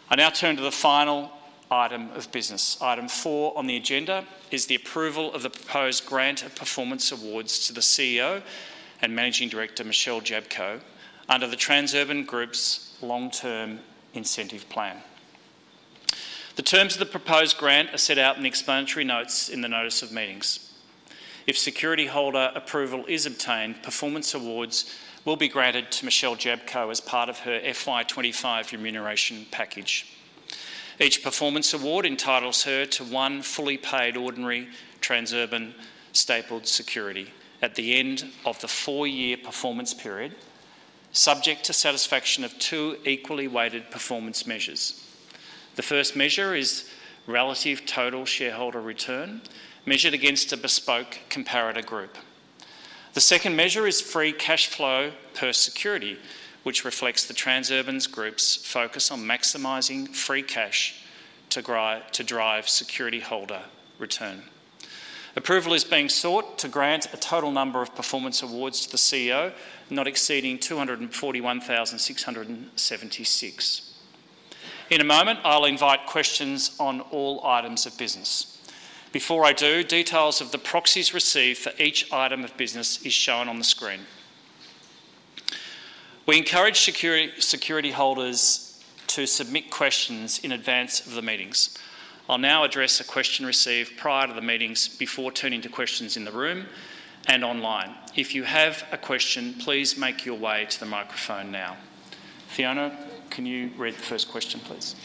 I now turn to the final item of business. Item four on the agenda is the approval of the proposed grant of performance awards to the CEO and Managing Director, Michelle Jablko, under the Transurban Group's long-term incentive plan. The terms of the proposed grant are set out in the Explanatory Notes in the notice of meetings. If security holder approval is obtained, performance awards will be granted to Michelle Jablko as part of her FY25 remuneration package. Each performance award entitles her to one fully paid ordinary Transurban stapled security at the end of the four-year performance period, subject to satisfaction of two equally weighted performance measures. The first measure is relative total shareholder return, measured against a bespoke comparator group. The second measure is free cash flow per security, which reflects the Transurban Group's focus on maximizing free cash to drive security holder return. Approval is being sought to grant a total number of performance awards to the CEO, not exceeding 241,676. In a moment, I'll invite questions on all items of business. Before I do, details of the proxies received for each item of business is shown on the screen. We encourage security holders to submit questions in advance of the meetings. I'll now address a question received prior to the meetings before turning to questions in the room and online. If you have a question, please make your way to the microphone now. Fiona, can you read the first question, please?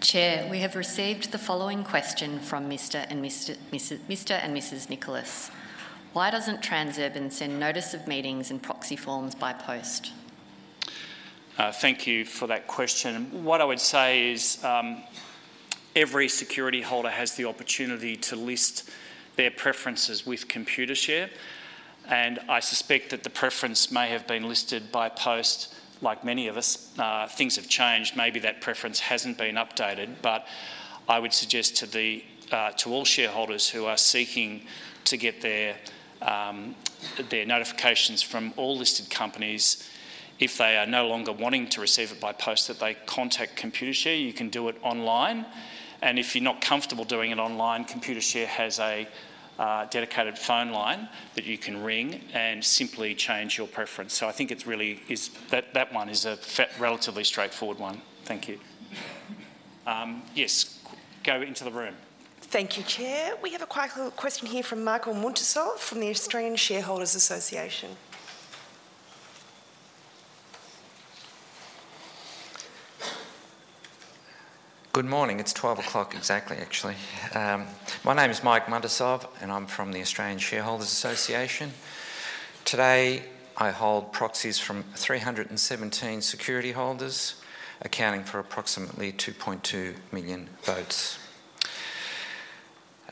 Chair, we have received the following question from Mr. and Mrs. Nicholas: Why doesn't Transurban send notice of meetings and proxy forms by post? Thank you for that question. What I would say is, every security holder has the opportunity to list their preferences with Computershare, and I suspect that the preference may have been listed by post. Like many of us, things have changed. Maybe that preference hasn't been updated, but I would suggest to the, to all shareholders who are seeking to get their, their notifications from all listed companies, if they are no longer wanting to receive it by post, that they contact Computershare. You can do it online, and if you're not comfortable doing it online, Computershare has a, dedicated phone line that you can ring and simply change your preference. So I think it's really that one is a relatively straightforward one. Thank you. Yes, go into the room. Thank you, Chair. We have a quick question here from Michael Muntisov from the Australian Shareholders Association. Good morning. It's 12:00 P.M. exactly, actually. My name is Michael Muntisov, and I'm from the Australian Shareholders Association. Today, I hold proxies from 317 security holders, accounting for approximately 2.2 million votes.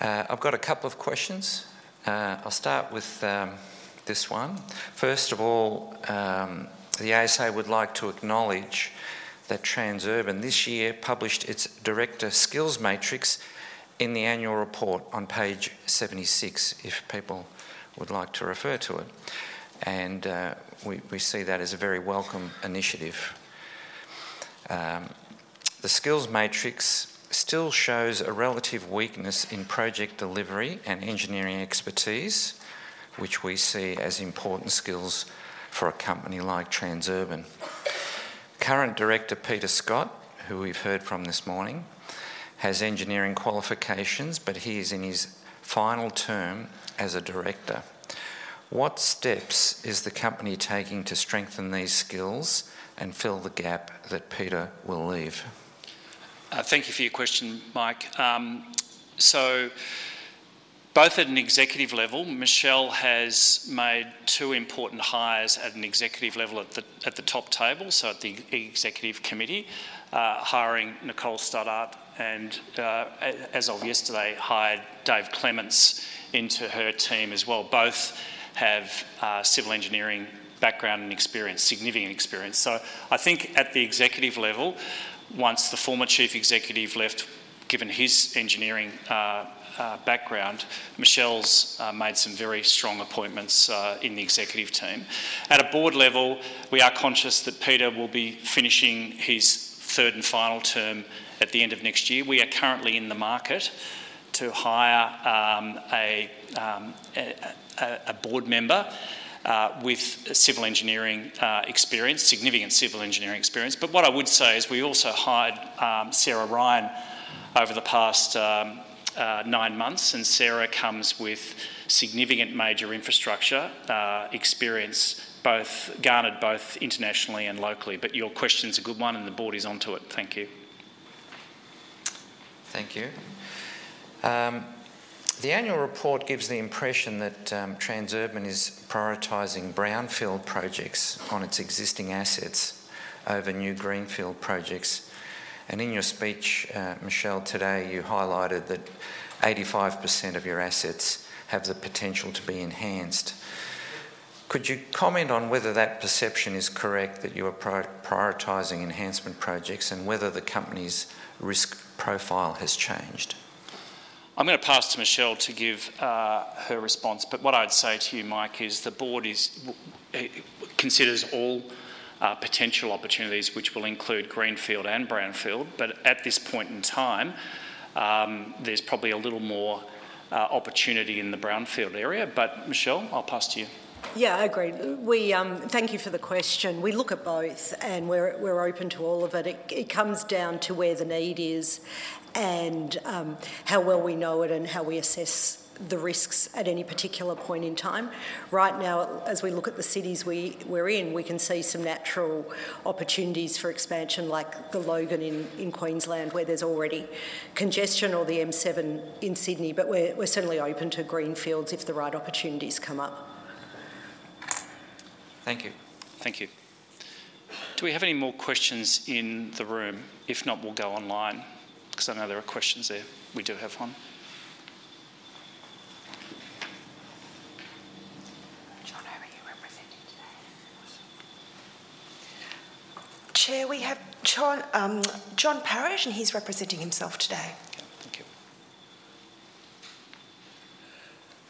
I've got a couple of questions. I'll start with this one. First of all, the ASA would like to acknowledge that Transurban this year published its Director Skills Matrix in the Annual Report on page 76, if people would like to refer to it, and we see that as a very welcome initiative. The skills matrix still shows a relative weakness in project delivery and engineering expertise, which we see as important skills for a company like Transurban. Current director, Peter Scott, who we've heard from this morning, has engineering qualifications, but he is in his final term as a director. What steps is the company taking to strengthen these skills and fill the gap that Peter will leave? Thank you for your question, Mike. So both at an executive level, Michelle has made two important hires at an executive level at the, at the top table, so at the Executive Committee, hiring Nicole Stoddart and, as of yesterday, hired Dave Clements into her team as well. Both have civil engineering background and experience, significant experience. So I think at the executive level, once the former Chief Executive left, given his engineering background, Michelle's made some very strong appointments in the executive team. At a board level, we are conscious that Peter will be finishing his third and final term at the end of next year. We are currently in the market to hire a board member with civil engineering experience, significant civil engineering experience. But what I would say is we also hired Sarah Ryan over the past nine months, and Sarah comes with significant major infrastructure experience, garnered both internationally and locally. But your question's a good one, and the board is onto it. Thank you. Thank you. The Annual Report gives the impression that Transurban is prioritizing brownfield projects on its existing assets over new greenfield projects. In your speech, Michelle, today, you highlighted that 85% of your assets have the potential to be enhanced. Could you comment on whether that perception is correct, that you are prioritizing enhancement projects, and whether the company's risk profile has changed? I'm gonna pass to Michelle to give her response, but what I'd say to you, Mike, is the board considers all potential opportunities, which will include greenfield and brownfield. But at this point in time, there's probably a little more opportunity in the brownfield area. But Michelle, I'll pass to you. Yeah, I agree. We, Thank you for the question. We look at both, and we're open to all of it. It comes down to where the need is and how well we know it and how we assess the risks at any particular point in time. Right now, as we look at the cities we're in, we can see some natural opportunities for expansion, like the Logan in Queensland, where there's already congestion, or the M7 in Sydney, but we're certainly open to greenfields if the right opportunities come up. Thank you. Thank you. Do we have any more questions in the room? If not, we'll go online, 'cause I know there are questions there. We do have one. John, who are you representing today? Chair, we have John, John Parish, and he's representing himself today. Okay. Thank you.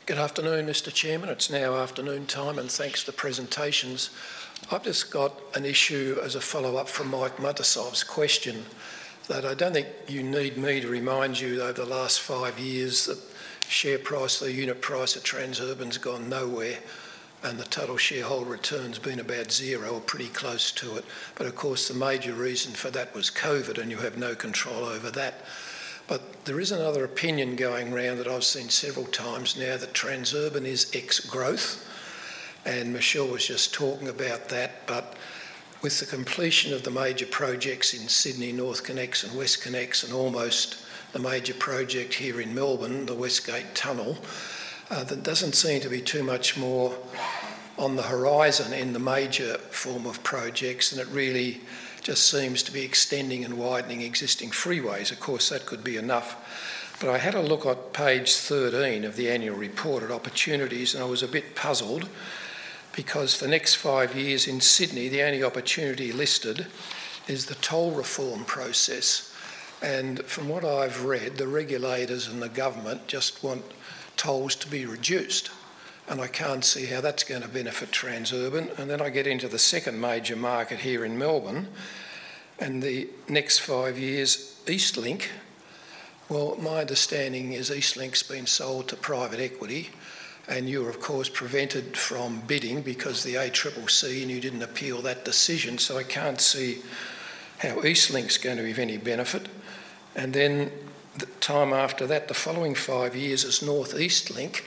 Good afternoon, Mr. Chairman. It's now afternoon time, and thanks for the presentations. I've just got an issue as a follow-up from Michael Muntisov's question, that I don't think you need me to remind you that over the last five years, the share price, the unit price at Transurban's gone nowhere, and the total shareholder return's been about zero or pretty close to it. But of course, the major reason for that was COVID, and you have no control over that. But there is another opinion going round that I've seen several times now, that Transurban is ex-growth, and Michelle was just talking about that. But with the completion of the major projects in Sydney, NorthConnex and WestConnex, and almost the major project here in Melbourne, the West Gate Tunnel, there doesn't seem to be too much more on the horizon in the major form of projects, and it really just seems to be extending and widening existing freeways. Of course, that could be enough. But I had a look on page thirteen of the Annual Report at opportunities, and I was a bit puzzled, because the next five years in Sydney, the only opportunity listed is the toll reform process. And from what I've read, the regulators and the government just want tolls to be reduced, and I can't see how that's gonna benefit Transurban. And then I get into the second major market here in Melbourne, and the next five years, EastLink. My understanding is EastLink's been sold to private equity, and you're, of course, prevented from bidding because of the ACCC, and you didn't appeal that decision, so I can't see how EastLink's going to be of any benefit. And then, the time after that, the following five years is North East Link.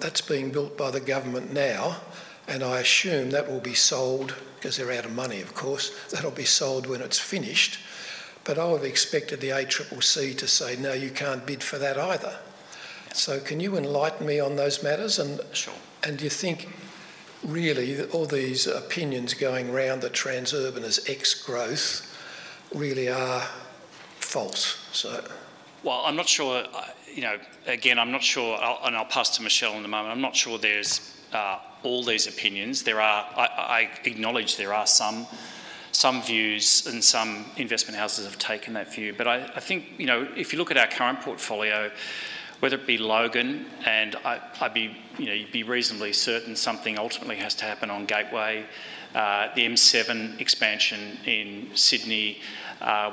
That's being built by the government now, and I assume that will be sold, 'cause they're out of money, of course. That'll be sold when it's finished. But I would have expected the ACCC to say, "No, you can't bid for that either." So can you enlighten me on those matters, and- Sure.... and do you think really that all these opinions going round that Transurban is ex-growth really are false, so? I'm not sure. You know, again, I'm not sure. I'll pass to Michelle in a moment. I'm not sure there's all these opinions. There are. I acknowledge there are some views, and some investment houses have taken that view. But I think, you know, if you look at our current portfolio, whether it be Logan. You know, you'd be reasonably certain something ultimately has to happen on Gateway, the M7 expansion in Sydney.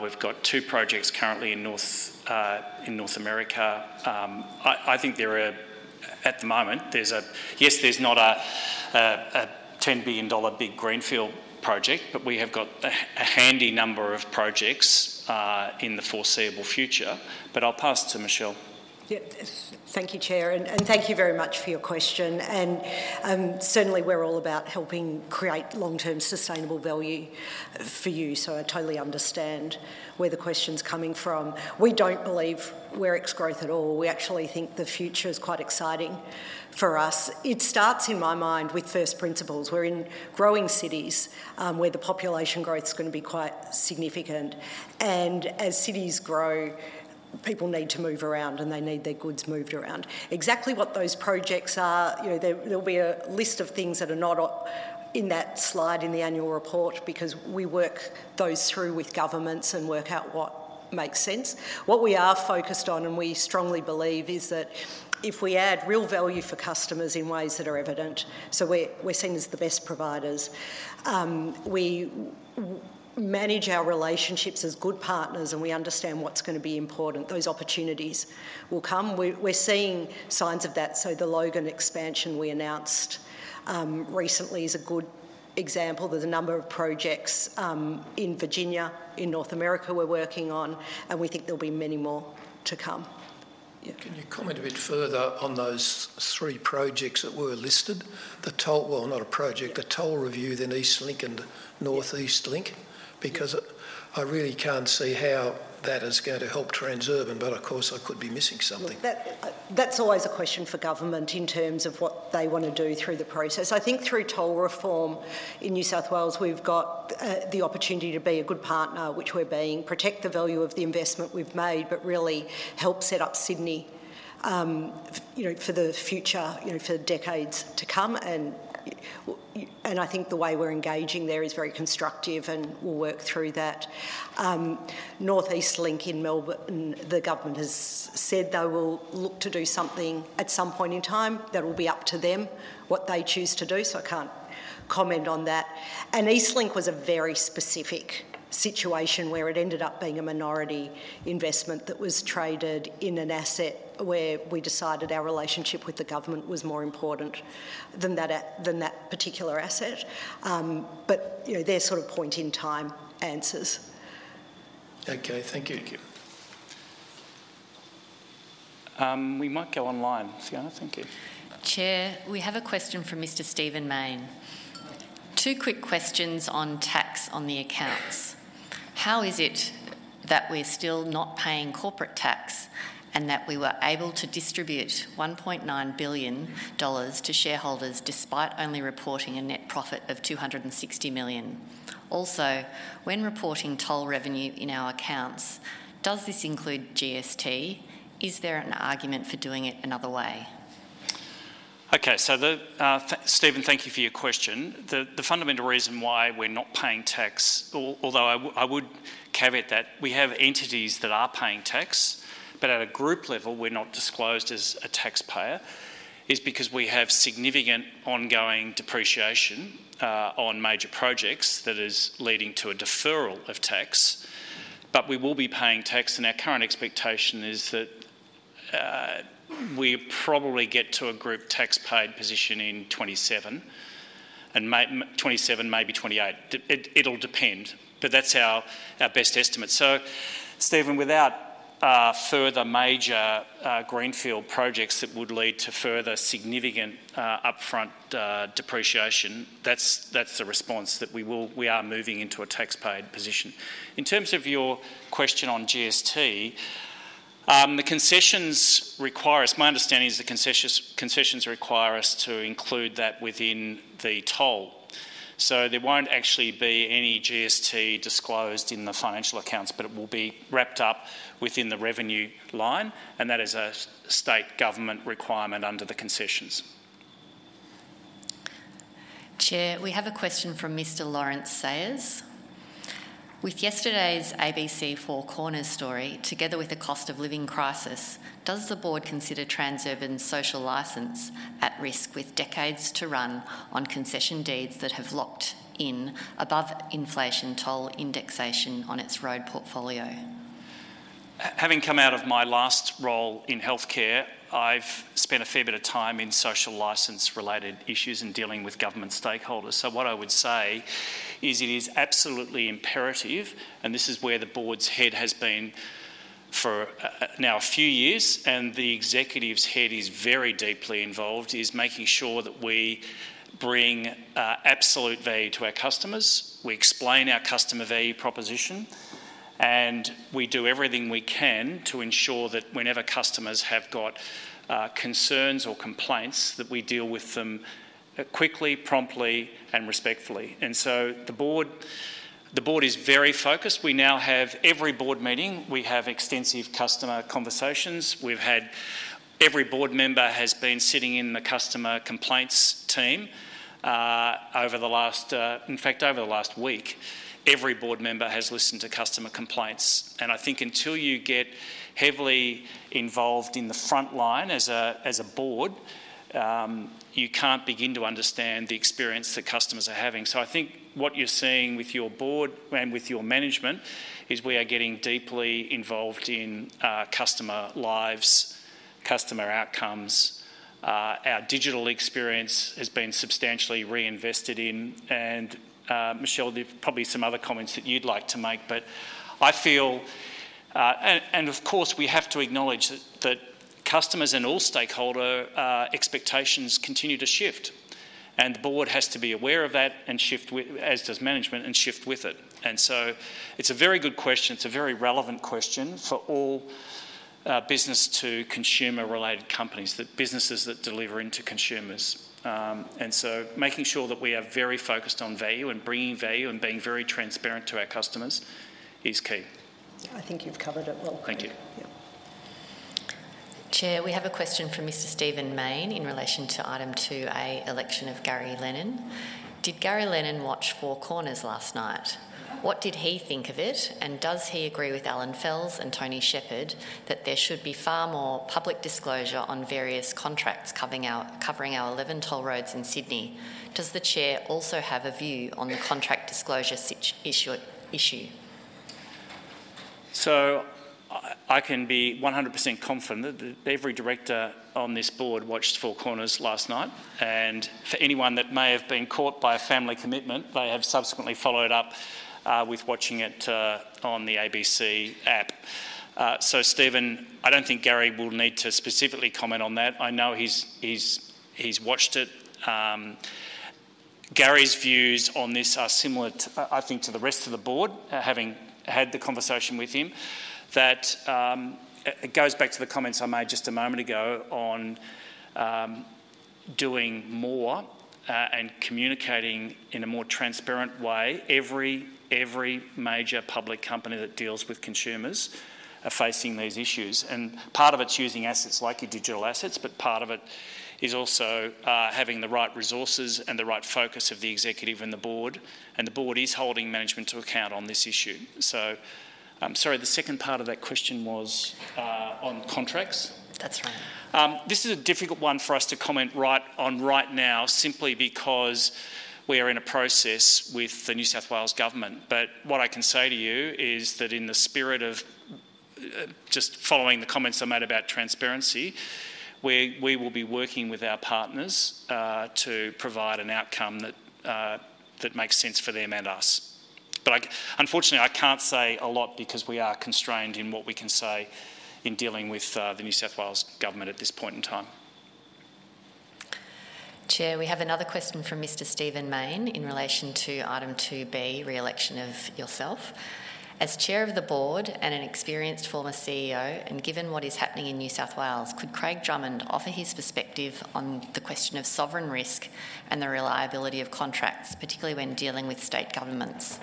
We've got two projects currently in North America. I think there are, at the moment. There's not a 10 billion dollar big greenfield project, but we have got a handy number of projects in the foreseeable future. But I'll pass to Michelle. ... Yep, thank you, Chair, and thank you very much for your question. And certainly, we're all about helping create long-term sustainable value for you, so I totally understand where the question's coming from. We don't believe we're ex-growth at all. We actually think the future is quite exciting for us. It starts, in my mind, with first principles. We're in growing cities, where the population growth's gonna be quite significant, and as cities grow, people need to move around, and they need their goods moved around. Exactly what those projects are, you know, there'll be a list of things that are not on, in that slide in the Annual Report because we work those through with governments and work out what makes sense. What we are focused on, and we strongly believe, is that if we add real value for customers in ways that are evident, so we're seen as the best providers, we manage our relationships as good partners, and we understand what's gonna be important, those opportunities will come. We're seeing signs of that, so the Logan expansion we announced recently is a good example. There's a number of projects in Virginia, in North America, we're working on, and we think there'll be many more to come. Yeah. Can you comment a bit further on those three projects that were listed? The toll, well, not a project, the toll review, then EastLink, and North East Link because I really can't see how that is going to help Transurban, but of course, I could be missing something. Well, that, that's always a question for government in terms of what they wanna do through the process. I think through toll reform in New South Wales, we've got the opportunity to be a good partner, which we're being, protect the value of the investment we've made, but really help set up Sydney, you know, for the future, you know, for decades to come, and I think the way we're engaging there is very constructive, and we'll work through that. North East Link in Melbourne, the government has said they will look to do something at some point in time. That will be up to them what they choose to do, so I can't comment on that. EastLink was a very specific situation, where it ended up being a minority investment that was traded in an asset where we decided our relationship with the government was more important than that particular asset. But, you know, they're sort of point in time answers. Okay, thank you. We might go online. Fiona, thank you. Chair, we have a question from Mr. Stephen Mayne. Two quick questions on tax on the accounts: How is it that we're still not paying corporate tax, and that we were able to distribute 1.9 billion dollars to shareholders, despite only reporting a net profit of 260 million? Also, when reporting toll revenue in our accounts, does this include GST? Is there an argument for doing it another way? Okay, so the Stephen, thank you for your question. The fundamental reason why we're not paying tax, although I would caveat that, we have entities that are paying tax, but at a group level, we're not disclosed as a taxpayer, is because we have significant ongoing depreciation on major projects that is leading to a deferral of tax. But we will be paying tax, and our current expectation is that we probably get to a group tax paid position in 2027, and 2027, maybe 2028. It'll depend, but that's our best estimate. So, Stephen, without further major greenfield projects that would lead to further significant upfront depreciation, that's the response, that we are moving into a tax paid position. In terms of your question on GST, the concessions require us. My understanding is the concessions require us to include that within the toll. So there won't actually be any GST disclosed in the financial accounts, but it will be wrapped up within the revenue line, and that is a state government requirement under the concessions. Chair, we have a question from Mr. Lawrence Sayers: With yesterday's ABC Four Corners story, together with the cost of living crisis, does the board consider Transurban's social license at risk with decades to run on concession deeds that have locked in above-inflation toll indexation on its road portfolio? Having come out of my last role in healthcare, I've spent a fair bit of time in social license-related issues and dealing with government stakeholders. So what I would say is it is absolutely imperative, and this is where the board's head has been for, now a few years, and the executive's head is very deeply involved, is making sure that we bring, absolute value to our customers, we explain our customer value proposition, and we do everything we can to ensure that whenever customers have got, concerns or complaints, that we deal with them, quickly, promptly, and respectfully. And so the board, the board is very focused. We now have, every board meeting, we have extensive customer conversations. We've had. Every board member has been sitting in the customer complaints team, over the last, in fact, over the last week, every board member has listened to customer complaints, and I think until you get heavily involved in the front line as a board, you can't begin to understand the experience that customers are having, so I think what you're seeing with your board and with your management is we are getting deeply involved in customer lives, customer outcomes. Our digital experience has been substantially reinvested in, and Michelle, there's probably some other comments that you'd like to make, but I feel, and of course, we have to acknowledge that customers and all stakeholder expectations continue to shift, and the board has to be aware of that and shift with it, as does management. And so it's a very good question. It's a very relevant question for all, business-to-consumer-related companies, that businesses that deliver into consumers. And so making sure that we are very focused on value and bringing value and being very transparent to our customers is key. I think you've covered it well. Thank you. Yeah. Chair, we have a question from Mr. Stephen Mayne in relation to item two, A, election of Gary Lennon. Did Gary Lennon watch Four Corners last night? What did he think of it, and does he agree with Allan Fels and Tony Shepherd that there should be far more public disclosure on various contracts covering our eleven toll roads in Sydney? Does the chair also have a view on the contract disclosure issue? So I can be 100% confident that every director on this board watched Four Corners last night, and for anyone that may have been caught by a family commitment, they have subsequently followed up with watching it on the ABC app. So Stephen, I don't think Gary will need to specifically comment on that. I know he's watched it. Gary's views on this are similar to, I think to the rest of the board, having had the conversation with him, that. It goes back to the comments I made just a moment ago on doing more and communicating in a more transparent way. Every major public company that deals with consumers are facing these issues, and part of it's using assets like your digital assets, but part of it is also having the right resources and the right focus of the executive and the board, and the board is holding management to account on this issue, so sorry, the second part of that question was on contracts? That's right. This is a difficult one for us to comment right now, simply because we are in a process with the New South Wales Government. But what I can say to you is that in the spirit of just following the comments I made about transparency, we will be working with our partners to provide an outcome that makes sense for them and us. But unfortunately, I can't say a lot because we are constrained in what we can say in dealing with the New South Wales Government at this point in time. Chair, we have another question from Mr. Stephen Mayne in relation to item two, B, re-election of yourself. As chair of the board and an experienced former CEO, and given what is happening in New South Wales, could Craig Drummond offer his perspective on the question of sovereign risk and the reliability of contracts, particularly when dealing with state governments?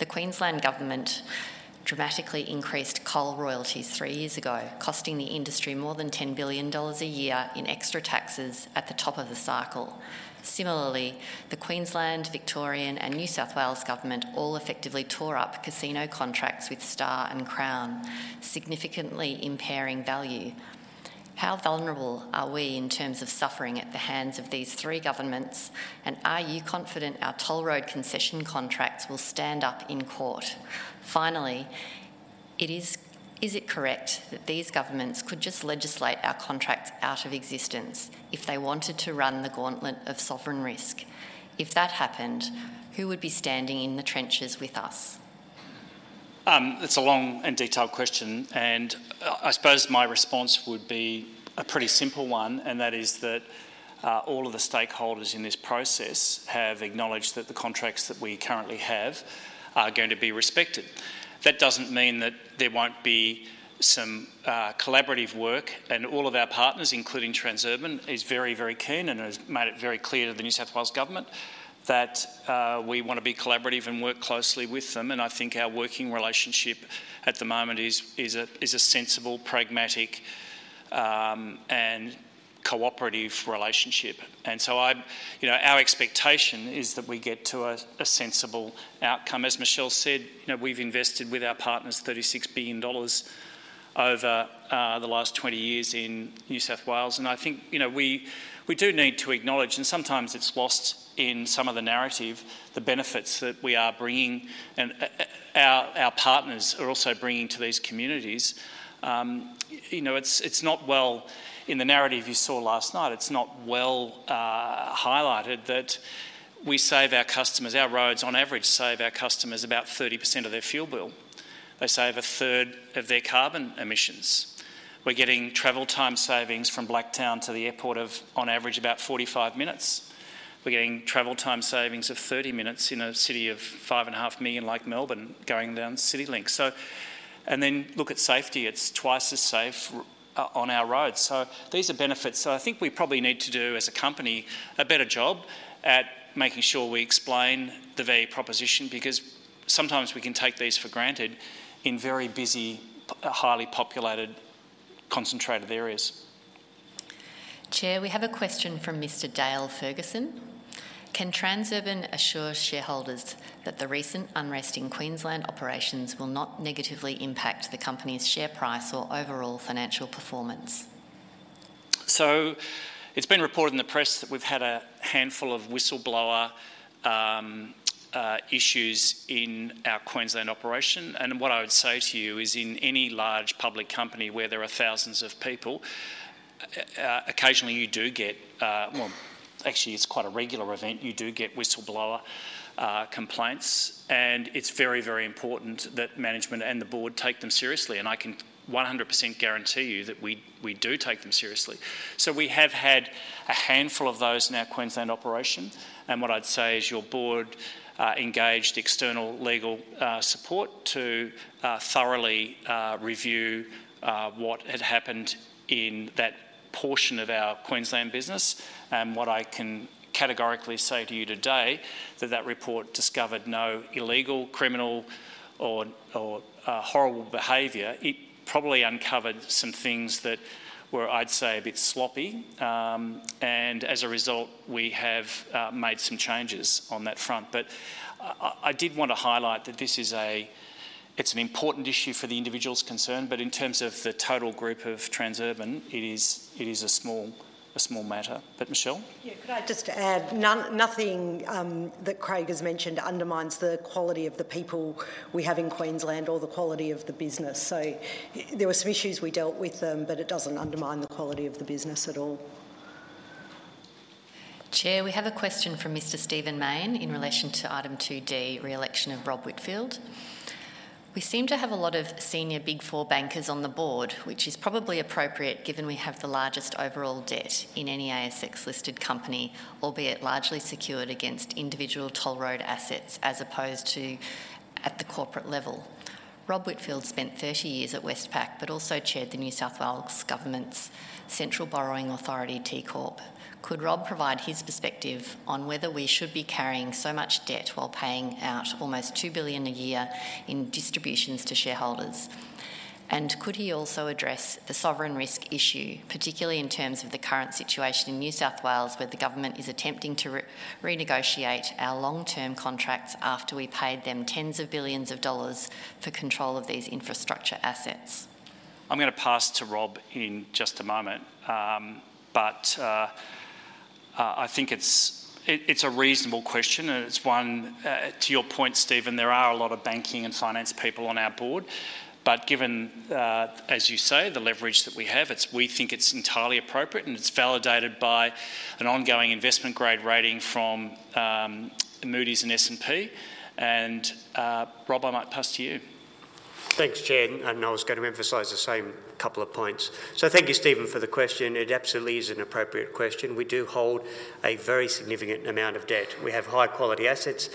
The Queensland Government dramatically increased coal royalties three years ago, costing the industry more than 10 billion dollars a year in extra taxes at the top of the cycle. Similarly, the Queensland, Victorian, and New South Wales Government all effectively tore up casino contracts with Star and Crown, significantly impairing value. How vulnerable are we in terms of suffering at the hands of these three governments, and are you confident our toll road concession contracts will stand up in court? Finally, is it correct that these governments could just legislate our contracts out of existence if they wanted to run the gauntlet of sovereign risk? If that happened, who would be standing in the trenches with us? It's a long and detailed question, and I suppose my response would be a pretty simple one, and that is that all of the stakeholders in this process have acknowledged that the contracts that we currently have are going to be respected. That doesn't mean that there won't be some collaborative work, and all of our partners, including Transurban, is very, very keen and has made it very clear to the New South Wales Government that we wanna be collaborative and work closely with them, and I think our working relationship at the moment is a sensible, pragmatic, and cooperative relationship. And so I, you know, our expectation is that we get to a sensible outcome. As Michelle said, you know, we've invested with our partners 36 billion dollars over the last 20 years in New South Wales, and I think, you know, we do need to acknowledge, and sometimes it's lost in some of the narrative, the benefits that we are bringing and our partners are also bringing to these communities. You know, it's not well. In the narrative you saw last night, it's not well highlighted that we save our customers, our roads, on average, save our customers about 30% of their fuel bill. They save a third of their carbon emissions. We're getting travel time savings from Blacktown to the airport of on average, about 45 minutes. We're getting travel time savings of 30 minutes in a city of 5.5 million, like Melbourne, going down CityLink. And then look at safety. It's twice as safe on our roads. These are benefits. I think we probably need to do, as a company, a better job at making sure we explain the value proposition, because sometimes we can take these for granted in very busy, highly populated, concentrated areas. Chair, we have a question from Mr. Dale Ferguson: Can Transurban assure shareholders that the recent unrest in Queensland operations will not negatively impact the company's share price or overall financial performance? It's been reported in the press that we've had a handful of whistleblower issues in our Queensland operation, and what I would say to you is in any large public company where there are thousands of people, occasionally you do get, well, actually, it's quite a regular event, you do get whistleblower complaints, and it's very, very important that management and the board take them seriously, and I can 100% guarantee you that we do take them seriously. So we have had a handful of those in our Queensland operation, and what I'd say is your board engaged external legal support to thoroughly review what had happened in that portion of our Queensland business. And what I can categorically say to you today, that that report discovered no illegal, criminal, or horrible behavior. It probably uncovered some things that were, I'd say, a bit sloppy, and as a result, we have made some changes on that front. But I did want to highlight that this is, it's an important issue for the individuals concerned, but in terms of the total group of Transurban, it is a small matter. But Michelle? Yeah, could I just add, nothing that Craig has mentioned undermines the quality of the people we have in Queensland or the quality of the business. So there were some issues, we dealt with them, but it doesn't undermine the quality of the business at all. Chair, we have a question from Mr. Stephen Mayne in relation to item two D, re-election of Rob Whitfield. We seem to have a lot of senior Big Four bankers on the board, which is probably appropriate, given we have the largest overall debt in any ASX-listed company, albeit largely secured against individual toll road assets as opposed to at the corporate level. Rob Whitfield spent thirty years at Westpac, but also chaired the New South Wales Government's central borrowing authority, TCorp. Could Rob provide his perspective on whether we should be carrying so much debt while paying out almost 2 billion a year in distributions to shareholders? Could he also address the sovereign risk issue, particularly in terms of the current situation in New South Wales, where the government is attempting to renegotiate our long-term contracts after we paid them tens of billions of AUD for control of these infrastructure assets? I'm gonna pass to Rob in just a moment. But I think it's a reasonable question, and it's one to your point, Stephen, there are a lot of banking and finance people on our board. But given as you say, the leverage that we have, it's we think it's entirely appropriate, and it's validated by an ongoing investment grade rating from Moody's and S&P. And Rob, I might pass to you. Thanks, Chair, and I was going to emphasize the same couple of points. So thank you, Stephen, for the question. It absolutely is an appropriate question. We do hold a very significant amount of debt. We have high-quality assets.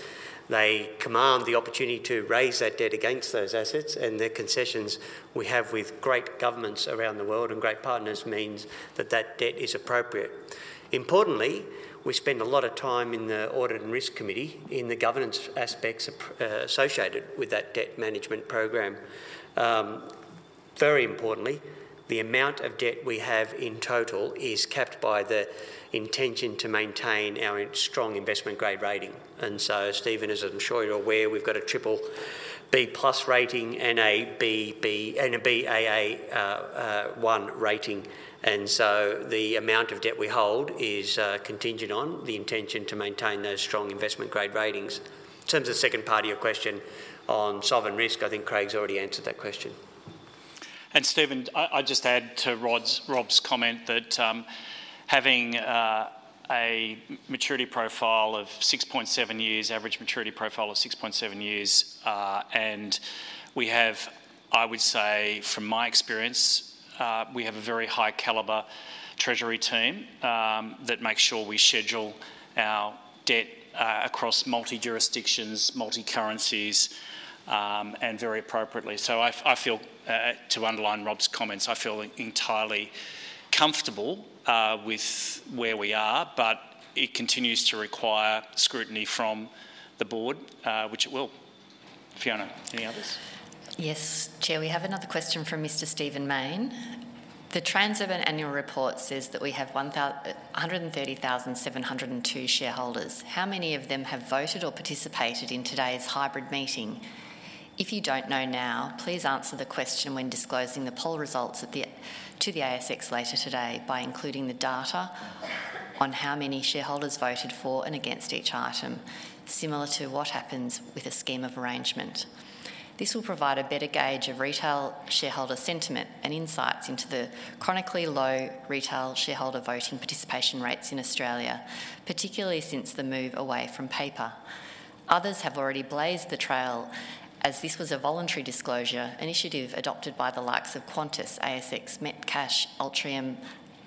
They command the opportunity to raise that debt against those assets, and the concessions we have with great governments around the world and great partners means that that debt is appropriate. Importantly, we spend a lot of time in the Audit and Risk Committee in the governance aspects associated with that debt management program. Very importantly, the amount of debt we have in total is capped by the intention to maintain our strong investment grade rating. And so, Stephen, as I'm sure you're aware, we've got a triple B+ rating and ABB and a Baa1 rating. And so the amount of debt we hold is contingent on the intention to maintain those strong investment grade ratings. In terms of the second part of your question on sovereign risk, I think Craig's already answered that question. Stephen, I'd just add to Rob's comment that, having a maturity profile of 6.7 years, average maturity profile of 6.7 years, and we have, I would say from my experience, we have a very high caliber treasury team that makes sure we schedule our debt across multi jurisdictions, multi currencies, and very appropriately. So I feel, to underline Rob's comments, I feel entirely comfortable with where we are, but it continues to require scrutiny from the board, which it will. Fiona, any others? Yes, Chair. We have another question from Mr. Stephen Mayne. The Transurban Annual Report says that we have 130,702 shareholders. How many of them have voted or participated in today's hybrid meeting? If you don't know now, please answer the question when disclosing the poll results at the to the ASX later today by including the data on how many shareholders voted for and against each item, similar to what happens with a scheme of arrangement. This will provide a better gauge of retail shareholder sentiment and insights into the chronically low retail shareholder voting participation rates in Australia, particularly since the move away from paper. Others have already blazed the trail as this was a voluntary disclosure, initiative adopted by the likes of Qantas, ASX, Metcash, Altium,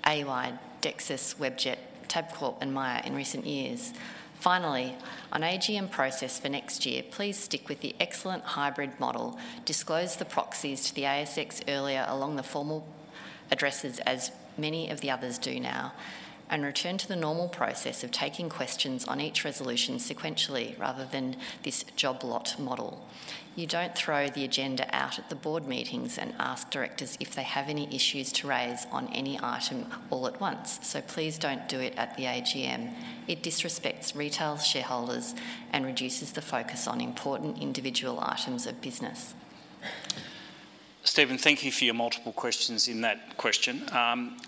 AY, Dexus, Webjet, Tabcorp, and Myer in recent years. Finally, on AGM process for next year, please stick with the excellent hybrid model. Disclose the proxies to the ASX earlier along the formal addresses, as many of the others do now, and return to the normal process of taking questions on each resolution sequentially rather than this job lot model. You don't throw the agenda out at the board meetings and ask directors if they have any issues to raise on any item all at once, so please don't do it at the AGM. It disrespects retail shareholders and reduces the focus on important individual items of business. Stephen, thank you for your multiple questions in that question.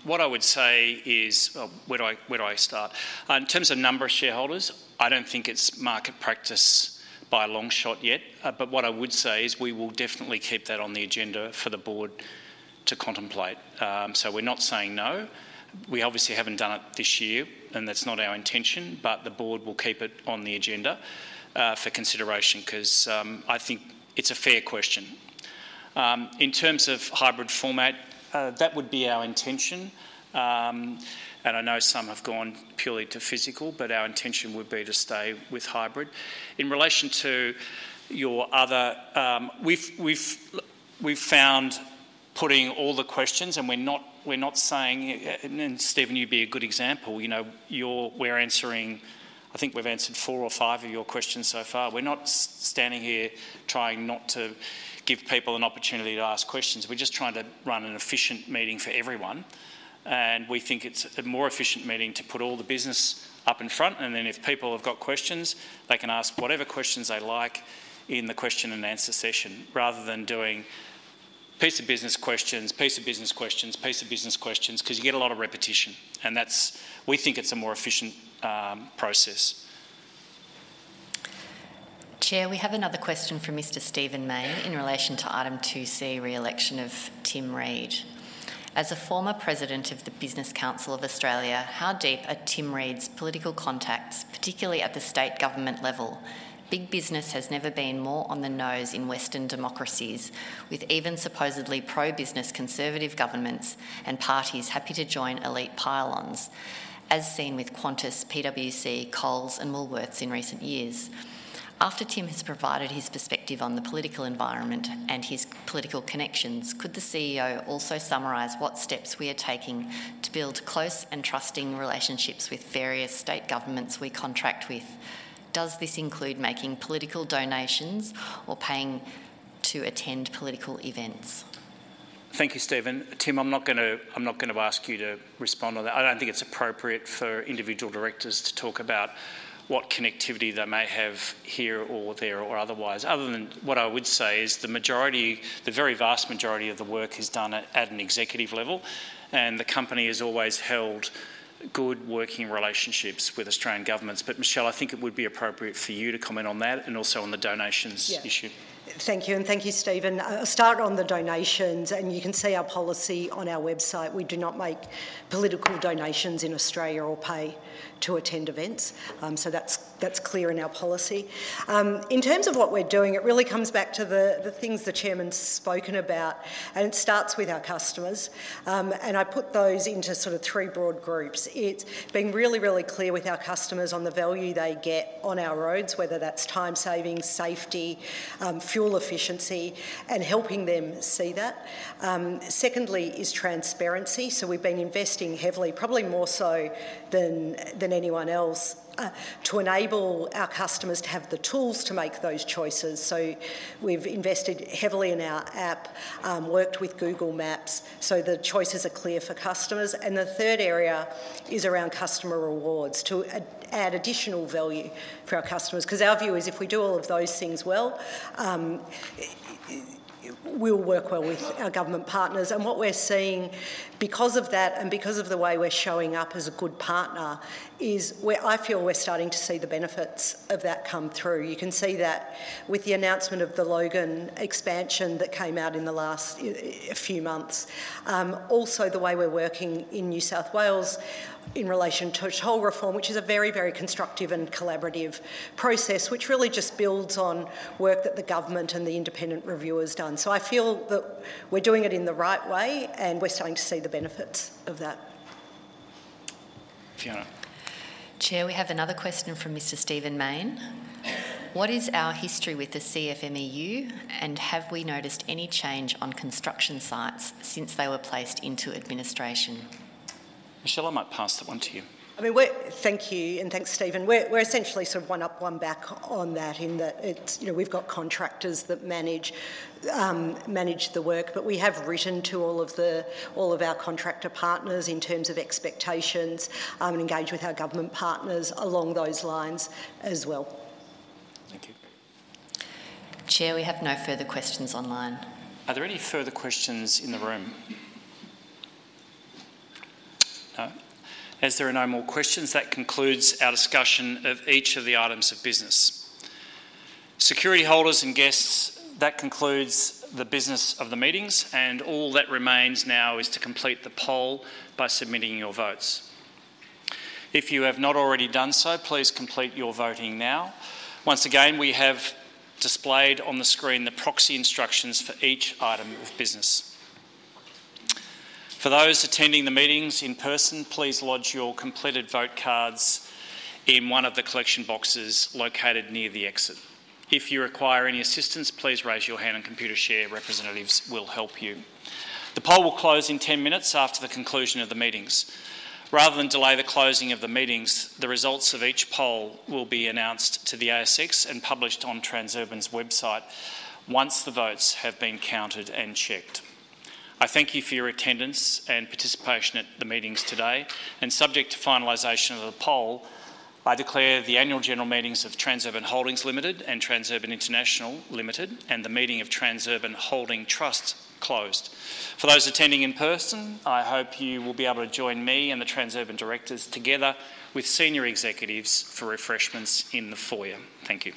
What I would say is... Well, where do I, where do I start? In terms of number of shareholders, I don't think it's market practice by a long shot yet, but what I would say is we will definitely keep that on the agenda for the board to contemplate. So we're not saying no. We obviously haven't done it this year, and that's not our intention, but the board will keep it on the agenda for consideration, 'cause I think it's a fair question. In terms of hybrid format, that would be our intention. And I know some have gone purely to physical, but our intention would be to stay with hybrid. In relation to your other... We've found putting all the questions, and we're not saying, and, Stephen, you'd be a good example. You know, we're answering. I think we've answered four or five of your questions so far. We're not standing here trying not to give people an opportunity to ask questions. We're just trying to run an efficient meeting for everyone, and we think it's a more efficient meeting to put all the business up in front, and then if people have got questions, they can ask whatever questions they like in the question and answer session, rather than doing piece of business questions, piece of business questions, piece of business questions, 'cause you get a lot of repetition, and that's, we think, a more efficient process. Chair, we have another question from Mr. Stephen Mayne in relation to item 2C, re-election of Tim Reed. As a former president of the Business Council of Australia, how deep are Tim Reed's political contacts, particularly at the state government level? Big business has never been more on the nose in Western democracies, with even supposedly pro-business conservative governments and parties happy to join elite pile-ons, as seen with Qantas, PWC, Coles, and Woolworths in recent years. After Tim has provided his perspective on the political environment and his political connections, could the CEO also summarize what steps we are taking to build close and trusting relationships with various state governments we contract with? Does this include making political donations or paying to attend political events? Thank you, Stephen. Tim, I'm not gonna, I'm not gonna ask you to respond on that. I don't think it's appropriate for individual directors to talk about what connectivity they may have here or there or otherwise. Other than what I would say is the majority, the very vast majority of the work is done at an executive level, and the company has always held good working relationships with Australian governments. But Michelle, I think it would be appropriate for you to comment on that and also on the donations issue. Yeah. Thank you, and thank you, Stephen. I'll start on the donations, and you can see our policy on our website. We do not make political donations in Australia or pay to attend events. So that's clear in our policy. In terms of what we're doing, it really comes back to the things the chairman's spoken about, and it starts with our customers. And I put those into sort of three broad groups. It's being really, really clear with our customers on the value they get on our roads, whether that's time-saving, safety, fuel efficiency, and helping them see that. Secondly, is transparency, so we've been investing heavily, probably more so than anyone else, to enable our customers to have the tools to make those choices. So we've invested heavily in our app, worked with Google Maps, so the choices are clear for customers. And the third area is around customer rewards, to add additional value for our customers, 'cause our view is, if we do all of those things well, we'll work well with our government partners. And what we're seeing because of that and because of the way we're showing up as a good partner is I feel we're starting to see the benefits of that come through. You can see that with the announcement of the Logan expansion that came out in the last a few months. Also, the way we're working in New South Wales in relation to toll reform, which is a very, very constructive and collaborative process, which really just builds on work that the government and the independent reviewer has done. I feel that we're doing it in the right way, and we're starting to see the benefits of that. Fiona. Chair, we have another question from Mr. Stephen Mayne. What is our history with the CFMEU, and have we noticed any change on construction sites since they were placed into administration? Michelle, I might pass that one to you. I mean, thank you, and thanks, Stephen. We're essentially sort of one up, one back on that, in that it's, you know, we've got contractors that manage the work. But we have written to all of our contractor partners in terms of expectations, and engaged with our government partners along those lines as well. Thank you. Chair, we have no further questions online. Are there any further questions in the room? No. As there are no more questions, that concludes our discussion of each of the items of business. Security holders and guests, that concludes the business of the meetings, and all that remains now is to complete the poll by submitting your votes. If you have not already done so, please complete your voting now. Once again, we have displayed on the screen the proxy instructions for each item of business. For those attending the meetings in person, please lodge your completed vote cards in one of the collection boxes located near the exit. If you require any assistance, please raise your hand, and Computershare representatives will help you. The poll will close in ten minutes after the conclusion of the meetings. Rather than delay the closing of the meetings, the results of each poll will be announced to the ASX and published on Transurban's website once the votes have been counted and checked. I thank you for your attendance and participation at the meetings today, and subject to finalization of the poll, I declare the Annual General Meetings of Transurban Holdings Limited and Transurban International Limited and the meeting of Transurban Holding Trust closed. For those attending in person, I hope you will be able to join me and the Transurban directors, together with senior executives, for refreshments in the foyer. Thank you.